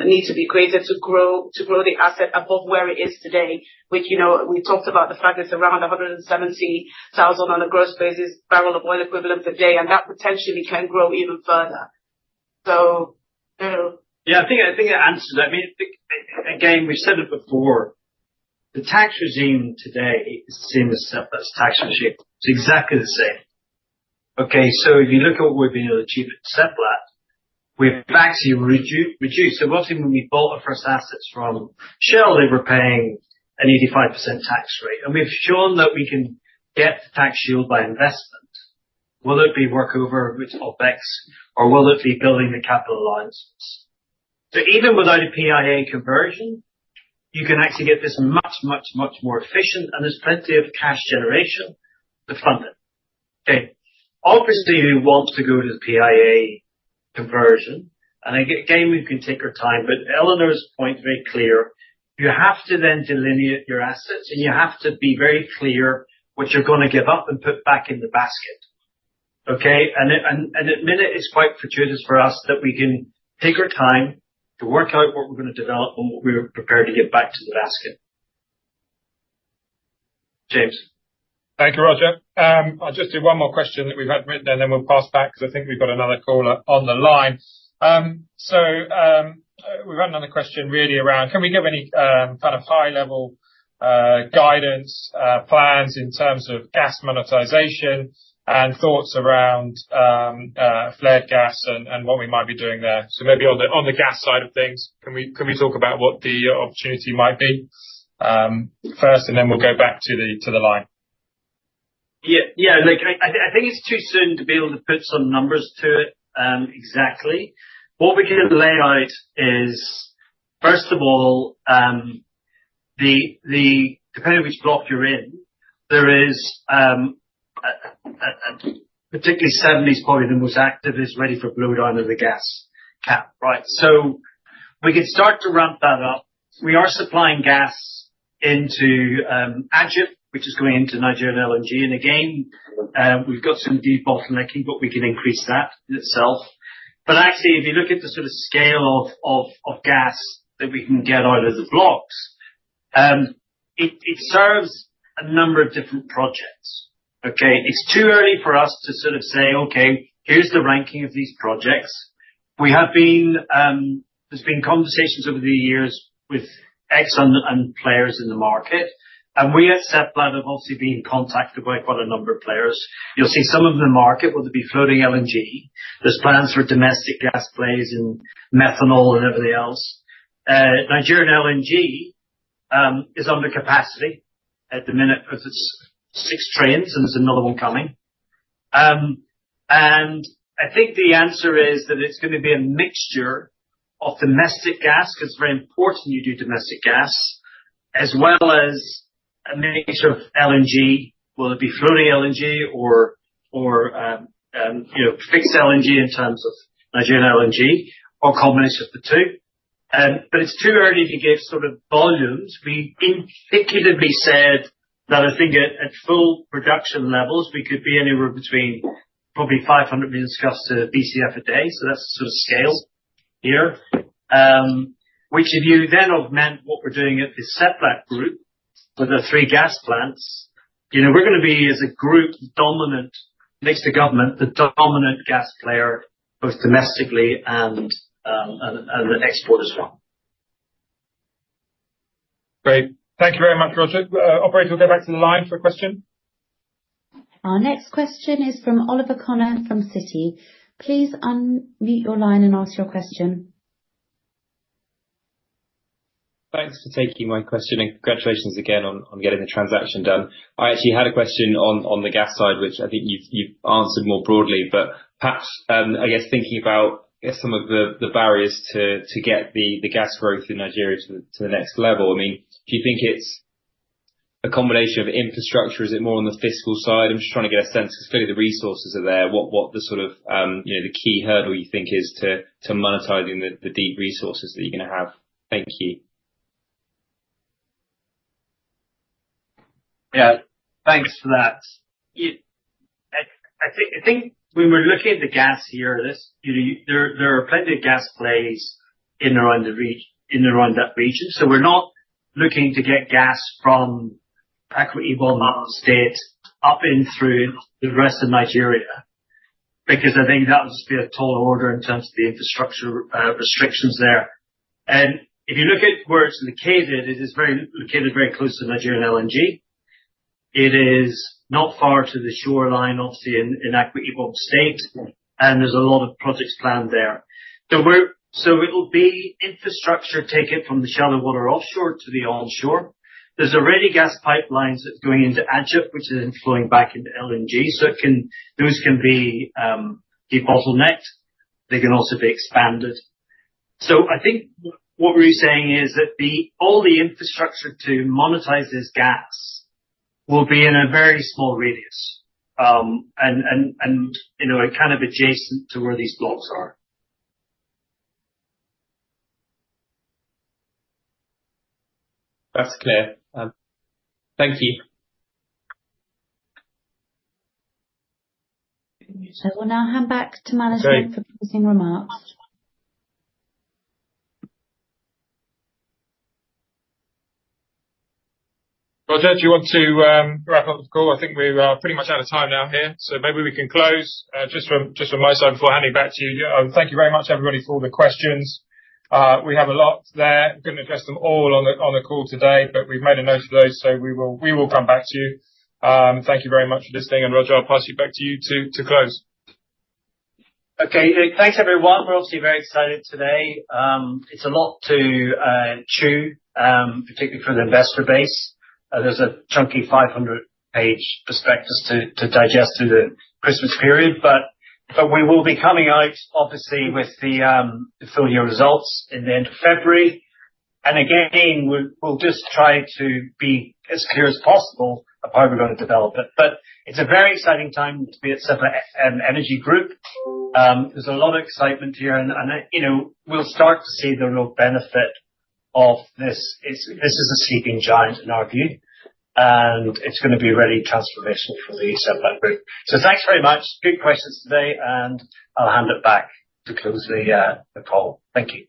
need to be created to grow the asset above where it is today, which we talked about the fact it's around 170,000 on a gross basis barrel of oil equivalent per day, and that potentially can grow even further. So yeah. I think it answers that. I mean, again, we've said it before. The tax regime today is the same as Seplat's tax regime. It's exactly the same. Okay? So if you look at what we've been able to achieve at Seplat, we've actually reduced. So obviously, when we bought our first assets from Shell, they were paying an 85% tax rate. And we've shown that we can get the tax shield by investment. Whether it be workover, which OpEx, or whether it be building the capital allowances. So even without a PIA conversion, you can actually get this much, much, much more efficient, and there's plenty of cash generation to fund it. Okay? Obviously, who wants to go to the PIA conversion? And again, we can take our time, but Eleanor's point is very clear. You have to then delineate your assets, and you have to be very clear what you're going to give up and put back in the basket. Okay? And admit it is quite fortuitous for us that we can take our time to work out what we're going to develop and what we're prepared to give back to the basket. James. Thank you, Roger. I'll just do one more question that we've had written, and then we'll pass back because I think we've got another caller on the line. So we've had another question really around, can we get any kind of high-level guidance plans in terms of gas monetization and thoughts around flared gas and what we might be doing there? So maybe on the gas side of things, can we talk about what the opportunity might be first, and then we'll go back to the line? Yeah. Yeah. I think it's too soon to be able to put some numbers to it exactly. What we can lay out is, first of all, depending on which block you're in, there is particularly OML 70, probably the most active is ready for blowdown of the gas cap, right? So we can start to ramp that up. We are supplying gas into Agip, which is going into Nigerian LNG. And again, we've got some de-bottlenecking, but we can increase that in itself. But actually, if you look at the sort of scale of gas that we can get out of the blocks, it serves a number of different projects. Okay? It's too early for us to sort of say, "Okay, here's the ranking of these projects." There's been conversations over the years with Exxon and players in the market. And we at Seplat have obviously been contacted by quite a number of players. You'll see some of the market will be floating LNG. There's plans for domestic gas plays in methanol and everything else. Nigeria LNG is under capacity at the minute because it's six trains, and there's another one coming. And I think the answer is that it's going to be a mixture of domestic gas because it's very important you do domestic gas, as well as a mixture of LNG, whether it be floating LNG or fixed LNG in terms of Nigeria LNG or combination of the two. But it's too early to give sort of volumes. We indicatively said that I think at full production levels, we could be anywhere between probably 500 million scf to BCF a day. So that's the sort of scale here, which if you then augment what we're doing at the Seplat group with our three gas plants, we're going to be as a group dominant, next to government, the dominant gas player both domestically and the exporters' one. Great. Thank you very much, Roger. Operator, we'll go back to the line for a question. Our next question is from Oliver Connor from Citi. Please unmute your line and ask your question. Thanks for taking my question, and congratulations again on getting the transaction done. I actually had a question on the gas side, which I think you've answered more broadly, but perhaps, I guess, thinking about some of the barriers to get the gas growth in Nigeria to the next level. I mean, do you think it's a combination of infrastructure? Is it more on the fiscal side? I'm just trying to get a sense because clearly the resources are there. What the sort of the key hurdle you think is to monetizing the deep resources that you're going to have? Thank you. Yeah. Thanks for that. I think when we're looking at the gas here, there are plenty of gas plays in and around that region. So we're not looking to get gas from Akwa Ibom State up in through the rest of Nigeria because I think that would just be a tall order in terms of the infrastructure restrictions there. And if you look at where it's located, it is very located very close to Nigerian LNG. It is not far to the shoreline, obviously, in Akwa Ibom State, and there's a lot of projects planned there. So it'll be infrastructure taken from the shallow water offshore to the onshore. There's already gas pipelines that are going into Agip, which is then flowing back into LNG. So those can be de-bottlenecked. They can also be expanded. So I think what we're saying is that all the infrastructure to monetize this gas will be in a very small radius and kind of adjacent to where these blocks are. That's clear. Thank you. We'll now hand back to management for closing remarks. Roger, do you want to wrap up the call? I think we're pretty much out of time now here. So maybe we can close just from my side before handing back to you. Thank you very much, everybody, for the questions. We have a lot there. We couldn't address them all on the call today, but we've made a note of those, so we will come back to you. Thank you very much for listening. And Roger, I'll pass you back to you to close. Okay. Thanks, everyone. We're obviously very excited today. It's a lot to chew, particularly for the investor base. There's a chunky 500-page prospectus to digest through the Christmas period, but we will be coming out, obviously, with the full year results in the end of February. Again, we'll just try to be as clear as possible of how we're going to develop it. It's a very exciting time to be at Seplat Energy Group. There's a lot of excitement here, and we'll start to see the real benefit of this. This is a sleeping giant in our view, and it's going to be really transformational for the Seplat group. Thanks very much. Good questions today, and I'll hand it back to close the call. Thank you.